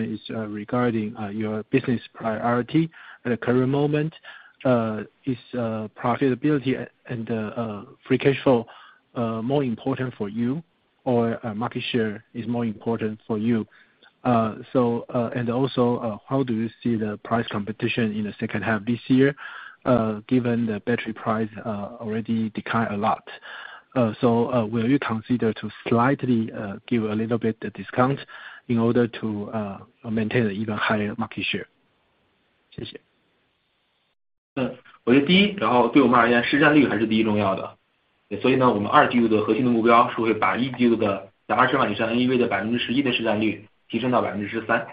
is regarding your business priority at the current moment, is profitability and free cash flow more important for you or market share is more important for you? How do you see the price competition in the second half this year, given the battery price already decline a lot? Will you consider to slightly give a little bit discount in order to maintain an even higher market share? 谢 谢. 嗯， 我觉得第 一， 然后对我们而 言， 市占率还是第一重要的。所以 呢， 我们二季度的核心的目标是会把一季度的在二十万以上 AUV 的百分之十一的市占率提升到百分之十三。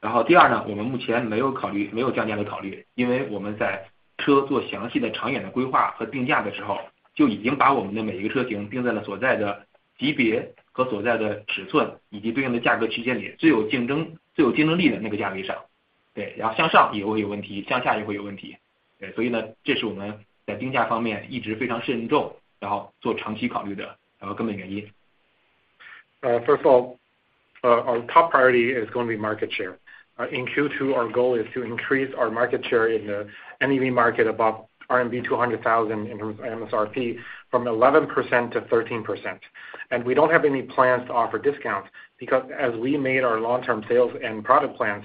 然后第二 呢， 我们目前没有考 虑， 没有降价的考 虑， 因为我们在车做详细的长远的规划和定价的时 候， 就已经把我们的每一个车型定在了所在的级别和所在的尺 寸， 以及对应的价格区间 里， 最有竞 争， 最有竞争力的那个价位上。对， 然后向上也会有问 题， 向下也会有问题。所以 呢， 这是我们在定价方面一直非常慎 重， 然后做长期考虑的呃根本原因。First of all, our top priority is going to be market share. In Q2 our goal is to increase our market share in the NEV market above RMB 200,000 in terms of MSRP from 11% to 13%. We don't have any plans to offer discounts, because as we made our long term sales and product plans,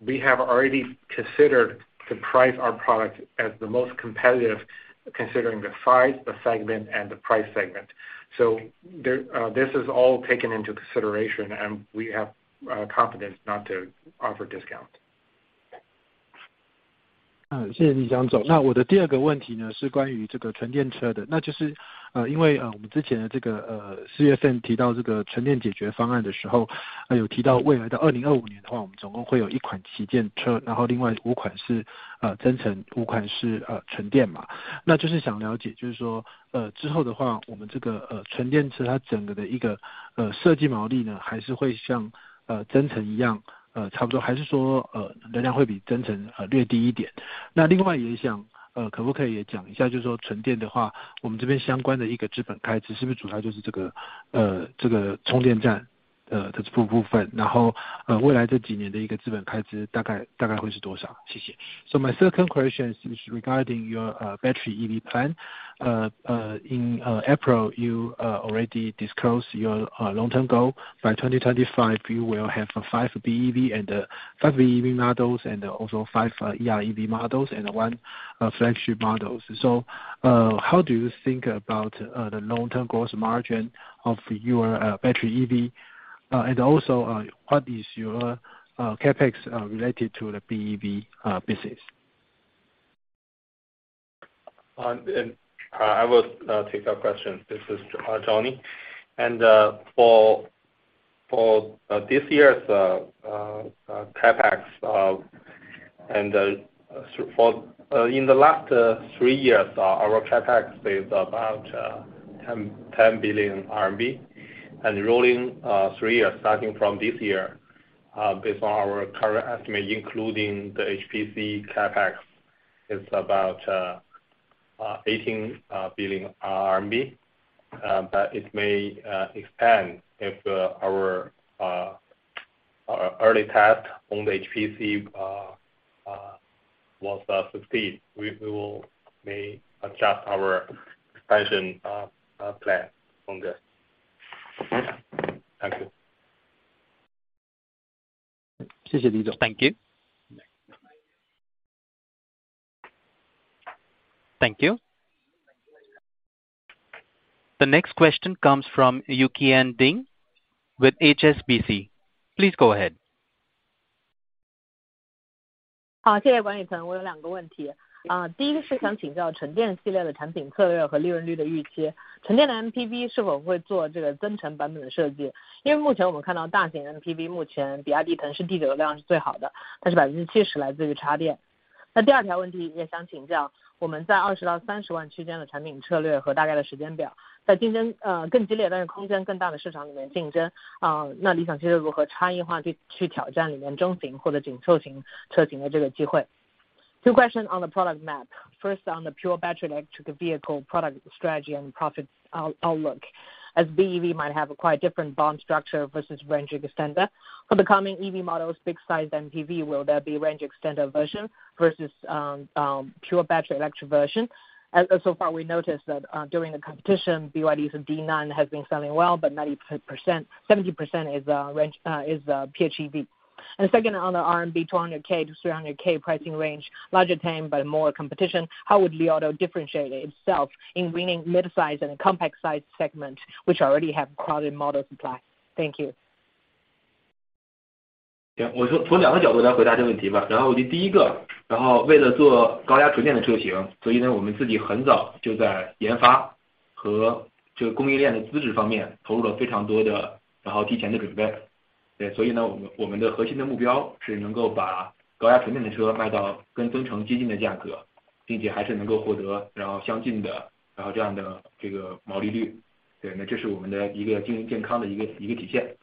we have already considered to price our product as the most competitive, considering the size, the segment and the price segment. There, this is all taken into consideration and we have confidence not to offer discount. 呃， 谢谢李想总。那我的第二个问题 呢， 是关于这个纯电车的。那就 是， 呃， 因为 呃， 我们之前的这个 呃， 四月份提到这个纯电解决方案的时 候， 有提到未来的2025年的 话， 我们总共会有一款旗舰 车， 然后另外五款是增 程， 五款是纯电嘛。那就是想了 解， 就是 说， 呃， 之后的 话， 我们这个 呃， 纯电车它整个的一 个， 呃， 设计毛利 呢， 还是会 像， 呃， 增程一 样， 呃， 差不 多， 还是 说， 呃， 能量会比增程略低一点。那另外也 想， 呃， 可不可以也讲一 下， 就是说纯电的 话， 我们这边相关的一个资本开支是不是主要就是这 个， 呃， 这个充电 站， 呃，的这部 分， 然 后， 呃， 未来这几年的一个资本开支大 概， 大概会是多 少？ 谢谢。So my second question is regarding your，uh，battery EV plan. In April you already disclose your long term goal. By 2025 you will have 5 BEV and 5 BEV models and also 5 EREV models and one flagship models. How do you think about the long term gross margin of your battery EV? And also what is your CAPEX related to the BEV business? I will take that question, this is Johnny. For this year's CAPEX, in the last 3 years, our CAPEX is about 10 billion RMB. Rolling 3 years starting from this year, based on our current estimate including the HPC CAPEX, is about 18 billion RMB, but it may expand if our early test on the HPC was succeed. We will may adjust our expansion plan on this. Thank you. 谢谢李总。Thank you. Thank you. The next question comes from Yuqian Ding with HSBC. Please go ahead. 好，谢谢管理层，我有两个问题。第一个是想请教纯电系列的产产品策略和利润率的预期，纯电的 MPV 是否会做这个增程版本的设计？目前我们看到大型 MPV，目前 BYD Denza D9 是第九量是最好的，但是 70% 来自于插电。第二个问题也想请教，我们在 CNY 200,000-300,000 区间的产品策略和大概的时间表，在竞争更激烈但是空间更大的市场里面竞争，那 Li Auto 如何差异化去挑战里面中型或者紧凑型车型的这个机会。Two question on the product map. First on the pure battery electric vehicle product strategy and profit out-outlook. BEV might have a quite different bond structure versus range extender. For the coming EV models big size MPV, will there be range extender version versus pure battery electric version? So far we notice that during the competition, BYD Denza D9 has been selling well, but 90%, 70% is a PHEV. Second on the RMB 200k-300k pricing range, larger tam but more competition, how would Li Auto differentiate itself in winning midsize and compact size segment, which already have crowded model supply? Thank you. 我从2个角度来回答这个问题吧。第一 个， 然后为了做高压纯电的车 型， 我们自己很早就在 R&D 和这个供应链的资质方面投入了非常多 的， 然后提前的准备。对， 我们的核心的目标是能够把高压纯电的车卖到跟增城接近的价 格， 并且还是能够获得然后相近 的， 然后这样的这个毛利率。对， 那这是我们的一个经营健康的一个体现。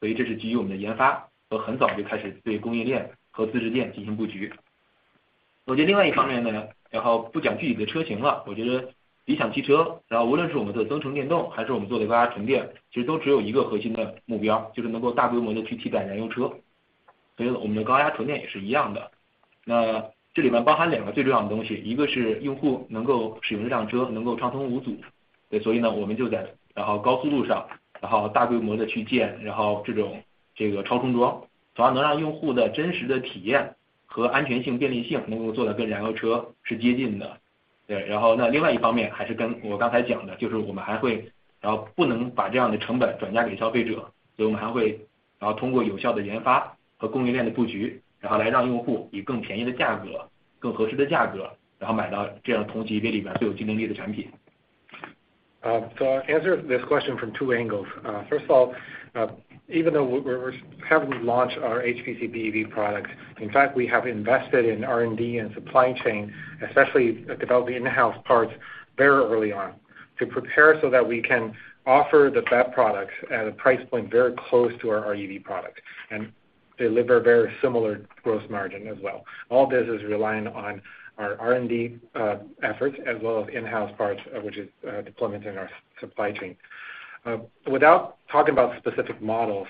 对， 这是基于我们的 R&D， 和很早就开始对供应链和资质链进行布局。我觉得另外一方面 呢， 不讲具体的车型了，我觉得 Li Auto， 然后无论是我们的增城电 动， 还是我们做的高压纯 电， 其实都只有一个核心的目 标， 就是能够大规模地去替代燃 I'll answer this question from two angles. First of all, even though we haven't launched our HPC EV products, in fact we have invested in R&D and supply chain, especially developing in-house parts very early on to prepare so that we can offer the BEV products at a price point very close to our REV product and deliver very similar gross margin as well. All this is relying on our R&D efforts as well as in-house parts, which is deployment in our supply chain. Without talking about specific models,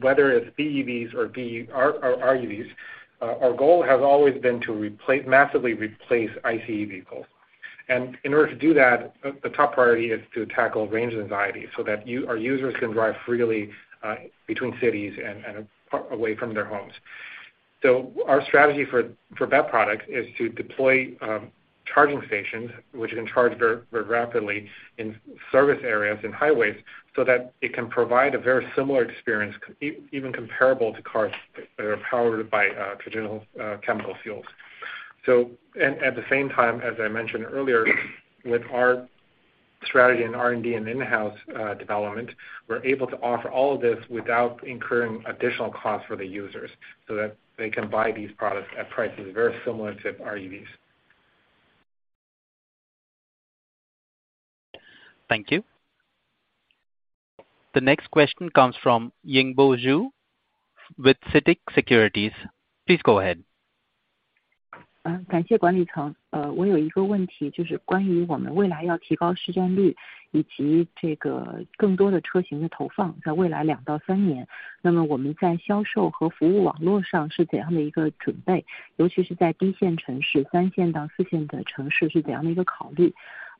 whether it's BEVs or our REVs, our goal has always been to massively replace ICE vehicles. In order to do that, the top priority is to tackle range anxiety so that our users can drive freely between cities and apart away from their homes. Our strategy for BEV products is to deploy charging stations which can charge very, very rapidly in service areas and highways so that it can provide a very similar experience even comparable to cars that are powered by traditional chemical fuels. At the same time, as I mentioned earlier, with our strategy in R&D and in-house development, we're able to offer all of this without incurring additional costs for the users so that they can buy these products at prices very similar to REVs. Thank you. The next question comes from Yingbo Xu with CITIC Securities. Please go ahead.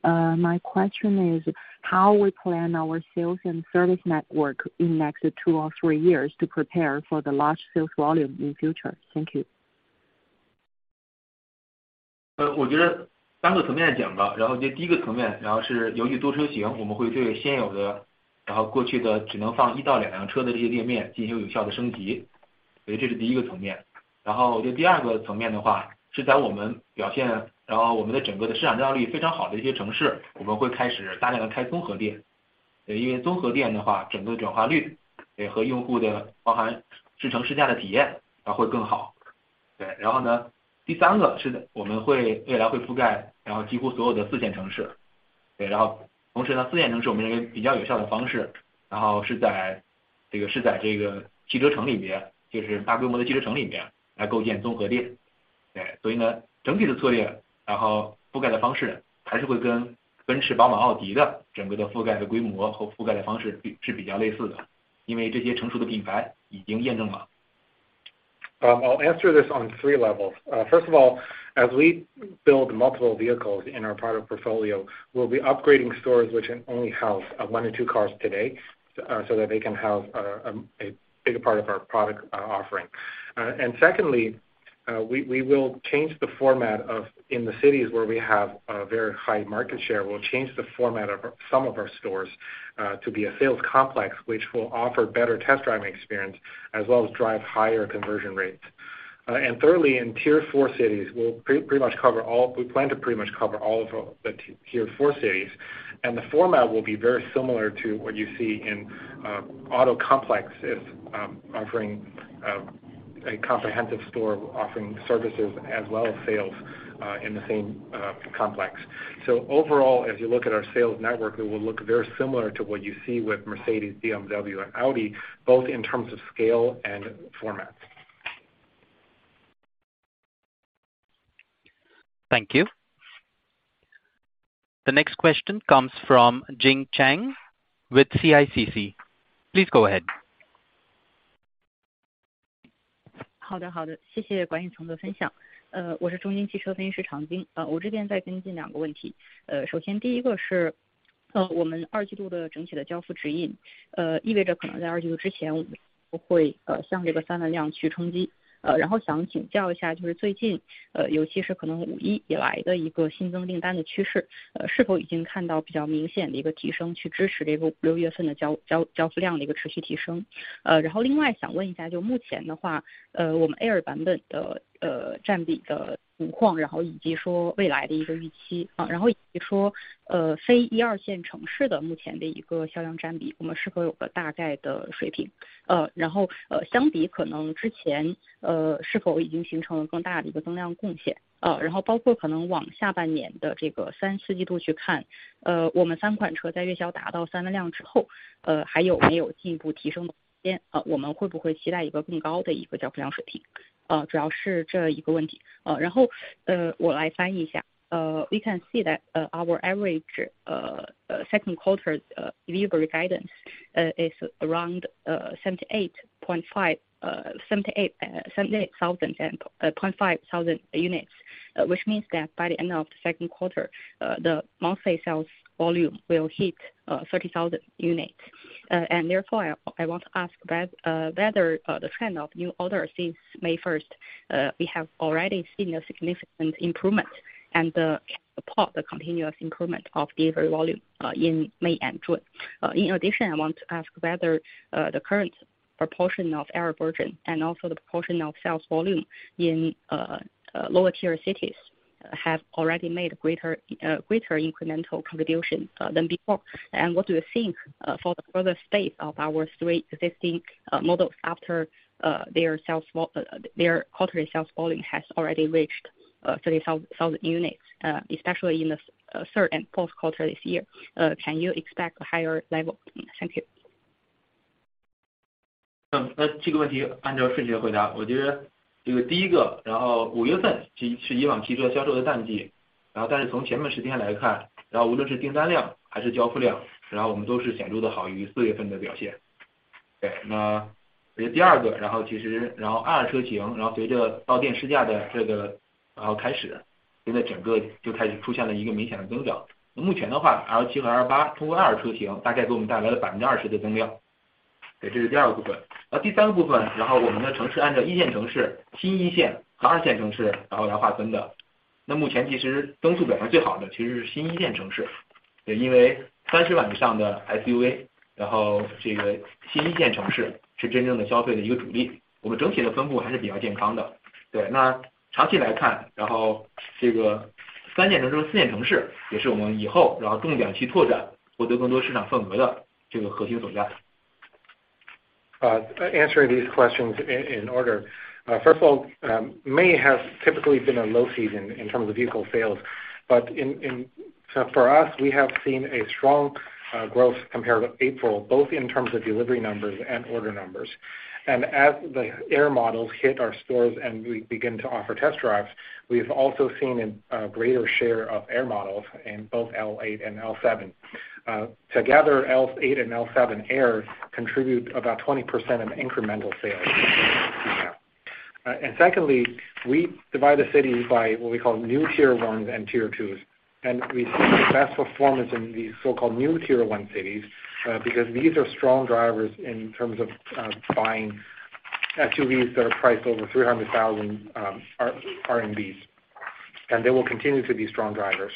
My question is how we plan our sales and service network in next two or three years to prepare for the large sales volume in future. Thank you. I'll answer this on 3 levels. First of all, as we build multiple vehicles in our product portfolio, we'll be upgrading stores which can only house 1 or 2 cars today, so that they can have a bigger part of our product offering. Secondly, we will change the format of... in the cities where we have a very high market share, we'll change the format of our, some of our stores to be a sales complex, which will offer better test driving experience as well as drive higher conversion rates. Thirdly, in Tier four cities, we plan to pretty much cover all of the Tier four cities, and the format will be very similar to what you see in auto complexes, offering a comprehensive store offering services as well as sales in the same complex. Overall, as you look at our sales network, it will look very similar to what you see with Mercedes-Benz, BMW and Audi, both in terms of scale and format. Thank you. The next question comes from Jing Chang with CICC. Please go ahead. We can see that our average Q2 delivery guidance is around 78.5 thousand units, which means that by the end of the Q2, the monthly sales volume will hit 30,000 units. I want to ask Brad whether the trend of new orders since May first, we have already seen a significant improvement and, apart the continuous improvement of delivery volume in May and June. In addition, I want to ask whether the proportion of Air version and also the proportion of sales volume in lower tier cities have already made greater incremental contribution than before. What do you think, for the further state of our three existing models after their quarterly sales volume has already reached 30,000 units, especially in the Q3 and Q4 this year. Can you expect a higher level? Thank you. 嗯， 那这个问题按照顺序来回答。我觉得这个第一 个， 然后五月份其-是以往汽车销售的淡 季， 然后但是从前面十天来 看， 然后无论是订单量还是交付 量， 然后我们都是显著地好于四月份的表现。对， 那我觉得第二 个， 然后其实然后 AR 车 型， 然后随着到店试驾的这个然后开 始， 现在整个就开始出现了一个明显的增长。那目前的话 ，L7 和 L8 作为 AR 车 型， 大概给我们带来了百分之二十的增量， 对， 这是第二部分。那第三部 分， 然后我们的城市按照一线城市、新一线和二线城市然后来划分 的， 那目前其实增速表现最好的其实是新一线城 市， 也因为三十万以上的 SUV， 然后这个新一线城市是真正的消费的一个主 力， 我们整体的分布还是比较健康的。对， 那长期来 看， 然后这个三线城市、四线城市也是我们以后然后重点去拓 展， 获得更多市场份额的这个核心所在。Answering these questions in order. First of all, May has typically been a low season in terms of vehicle sales. So for us, we have seen a strong growth compared with April, both in terms of delivery numbers and order numbers. As the Air models hit our stores and we begin to offer test drives, we've also seen a greater share of Air models in both L8 and L7. Together, L8 and L7 Air contribute about 20% of incremental sales yeah. Secondly, we divide the cities by what we call new tier 1s and tier 2s, and we've seen the best performance in these so-called new tier 1 cities, because these are strong drivers in terms of buying SUVs that are priced over 300,000 RMB, and they will continue to be strong drivers.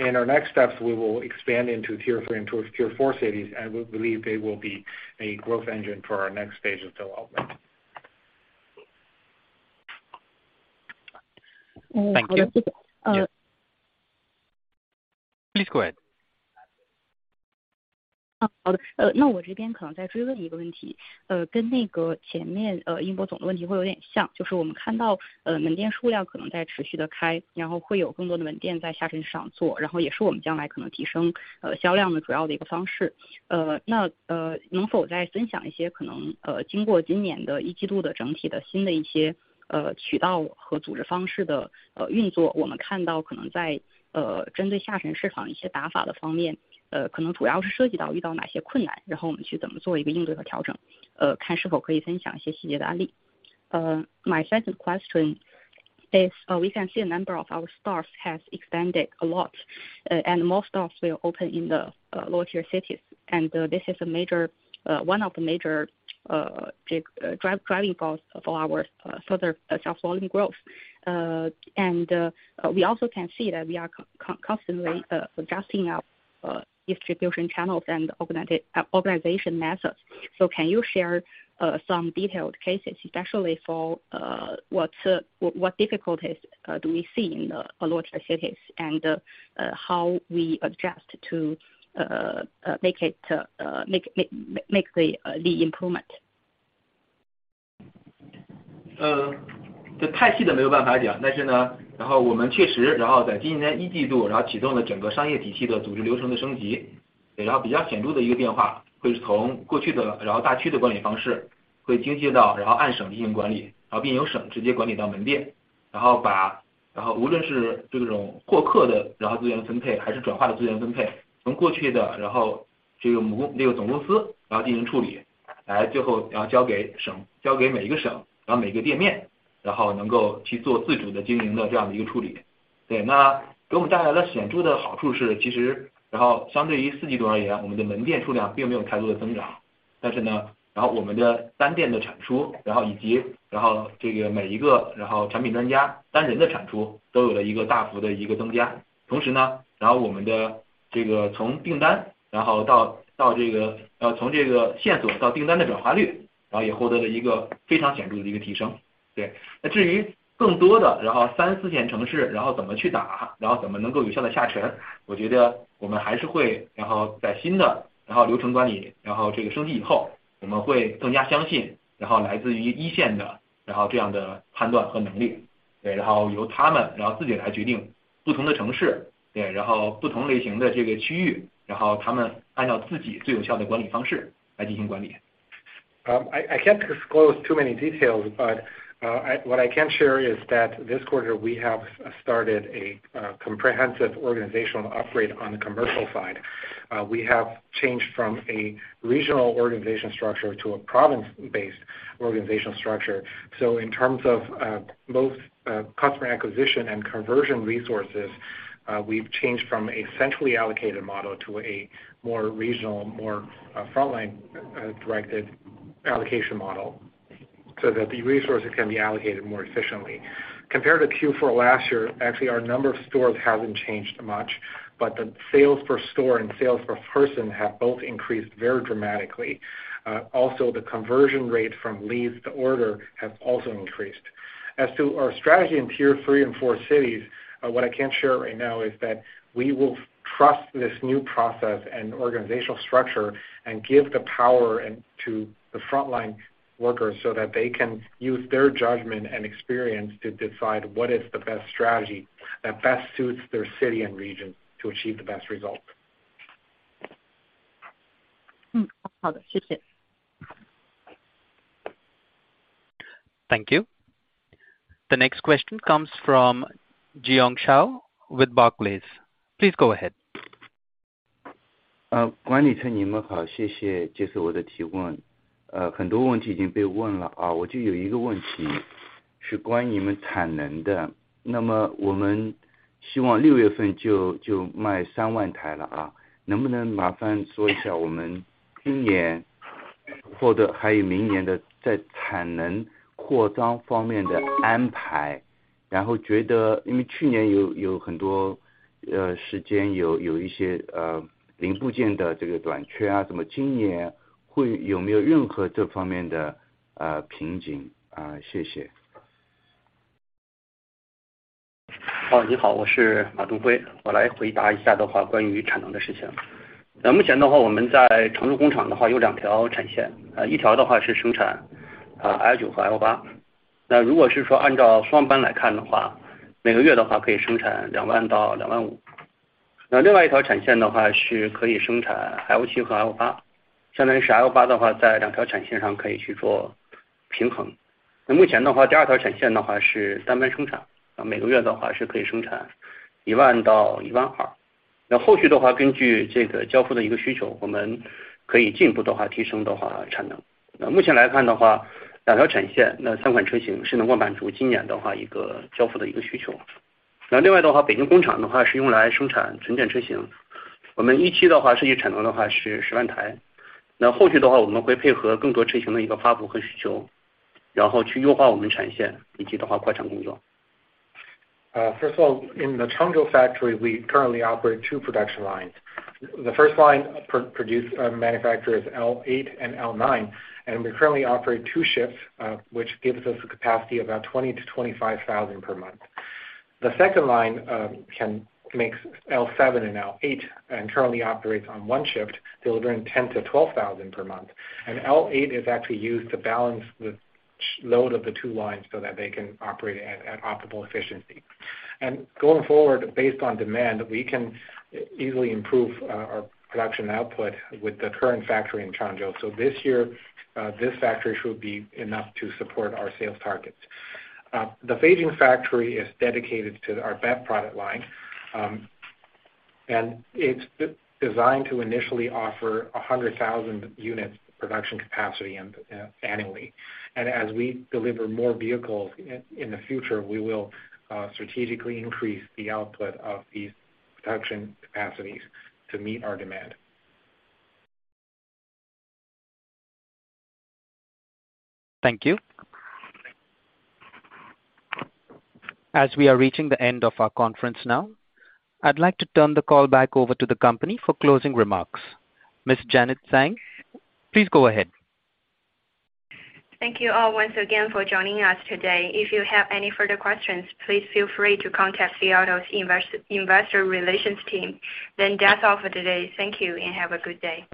In our next steps, we will expand into tier 3 and tier 4 cities, and we believe they will be a growth engine for our next stage of development. 好的。Thank you. 呃。Please go ahead. 好，好的。那我这边可能再追问一个问题，跟那个前面，殷博总的问题会有点像，就是我们看到，门店数量可能在持续地开，然后会有更多的门店在下沉市场做，然后也是我们将来可能提升，销量的主要的一个方式。那能否再分享一些可能，经过今年的一季度整体的新的，渠道和组织方式的运作，我们看到可能在，针对下沉市场一些打法的方面，可能主要是涉及到遇到哪些困难，然后我们去怎么做一个应对和调整，看是否可以分享一些细节的案例。My second question is, we can see a number of our stores has expanded a lot, and most stores will open in the lower tier cities, and this is a major, one of the major, driving force for our further sales volume growth. And we also can see that we are constantly adjusting our distribution channels and organization methods. Can you share some detailed cases, especially for what difficulties do we see in the lower tier cities, and how we adjust to make the improvement? 呃， 这太细的没有办法 讲， 但是 呢， 然后我们确实然后在今年一季 度， 然后启动了整个商业体系的组织流程的升级。然后比较显著的一个变 化， 会是从过去的然后大区的管理方 式， 会精简到然后按省进行管 理， 然后并由省直接管理到门 店， 然后 把， 然后无论是这种获客的然后资源分 配， 还是转化的资源分配，从过去的然后这个母--这个总公司然后进行处 理， 来最后然后交给 省， 交给每一个 省， 然后每一个店 面， 然后能够去做自主的经营的这样一个处理。对， 那给我们带来了显著的好处 是， 其实然后相对于四季度而 言， 我们的门店数量并没有太多的增 长， 但是 呢， 然后我们的单店的产 出， 然后以及然后这个每一 个， 然后产品专家单人的产出都有了一个大幅的一个增加。同时 呢， 然后我们的这个从订 单， 然后 到， 到这 个， 呃， 从这个线索到订单的转化 率， 然后也获得了一个非常显著的一个提升。对， 那至于更多 的， 然后三四线城 市， 然后怎么去 打， 然后怎么能够有效地下 沉， 我觉得我们还是会然后在新的然后流程管 理， 然后这个升级以 后， 我们会更加相信然后来自于一线 的， 然后这样的判断和能 力， 对， 然后由他们然后自己来决定不同的城市， 对， 然后不同类型的这个区 域， 然后他们按照自己最有效的管理方式来进行管理。I can't disclose too many details, but what I can share is that this quarter we have started a comprehensive organizational upgrade on the commercial side. We have changed from a regional organizational structure to a province-based organizational structure. In terms of both customer acquisition and conversion resources, we've changed from a centrally allocated model to a more regional, more frontline directed allocation model so that the resources can be allocated more efficiently. Compared to Q4 last year, actually our number of stores hasn't changed much, but the sales per store and sales per person have both increased very dramatically. Also the conversion rate from leads to order have also increased. As to our strategy in tier three and four cities, what I can't share right now is that we will trust this new process and organizational structure and give the power and... to the frontline workers so that they can use their judgment and experience to decide what is the best strategy that best suits their city and region to achieve the best results. Thank you. The next question comes from Jiong Shao with Barclays. Please go ahead. Uh. First of all, in the Changzhou factory, we currently operate 2 production lines. The first line produce manufactures L8 and L9, and we currently operate 2 shifts, which gives us a capacity of about 20,000-25,000 per month. The second line, can makes L7 and L8, and currently operates on 1 shift delivering 10,000-12,000 per month. L8 is actually used to balance the load of the 2 lines so that they can operate at optimal efficiency. Going forward, based on demand, we can easily improve our production output with the current factory in Changzhou. This year, this factory should be enough to support our sales targets. The Beijing factory is dedicated to our BEV product line, and it's designed to initially offer 100,000 units production capacity and annually. As we deliver more vehicles in the future, we will strategically increase the output of these production capacities to meet our demand. Thank you. As we are reaching the end of our conference now, I'd like to turn the call back over to the company for closing remarks. Miss Janet Zhang, please go ahead. Thank you all once again for joining us today. If you have any further questions, please feel free to contact Li Auto's Investor Relations team. That's all for today. Thank you and have a good day.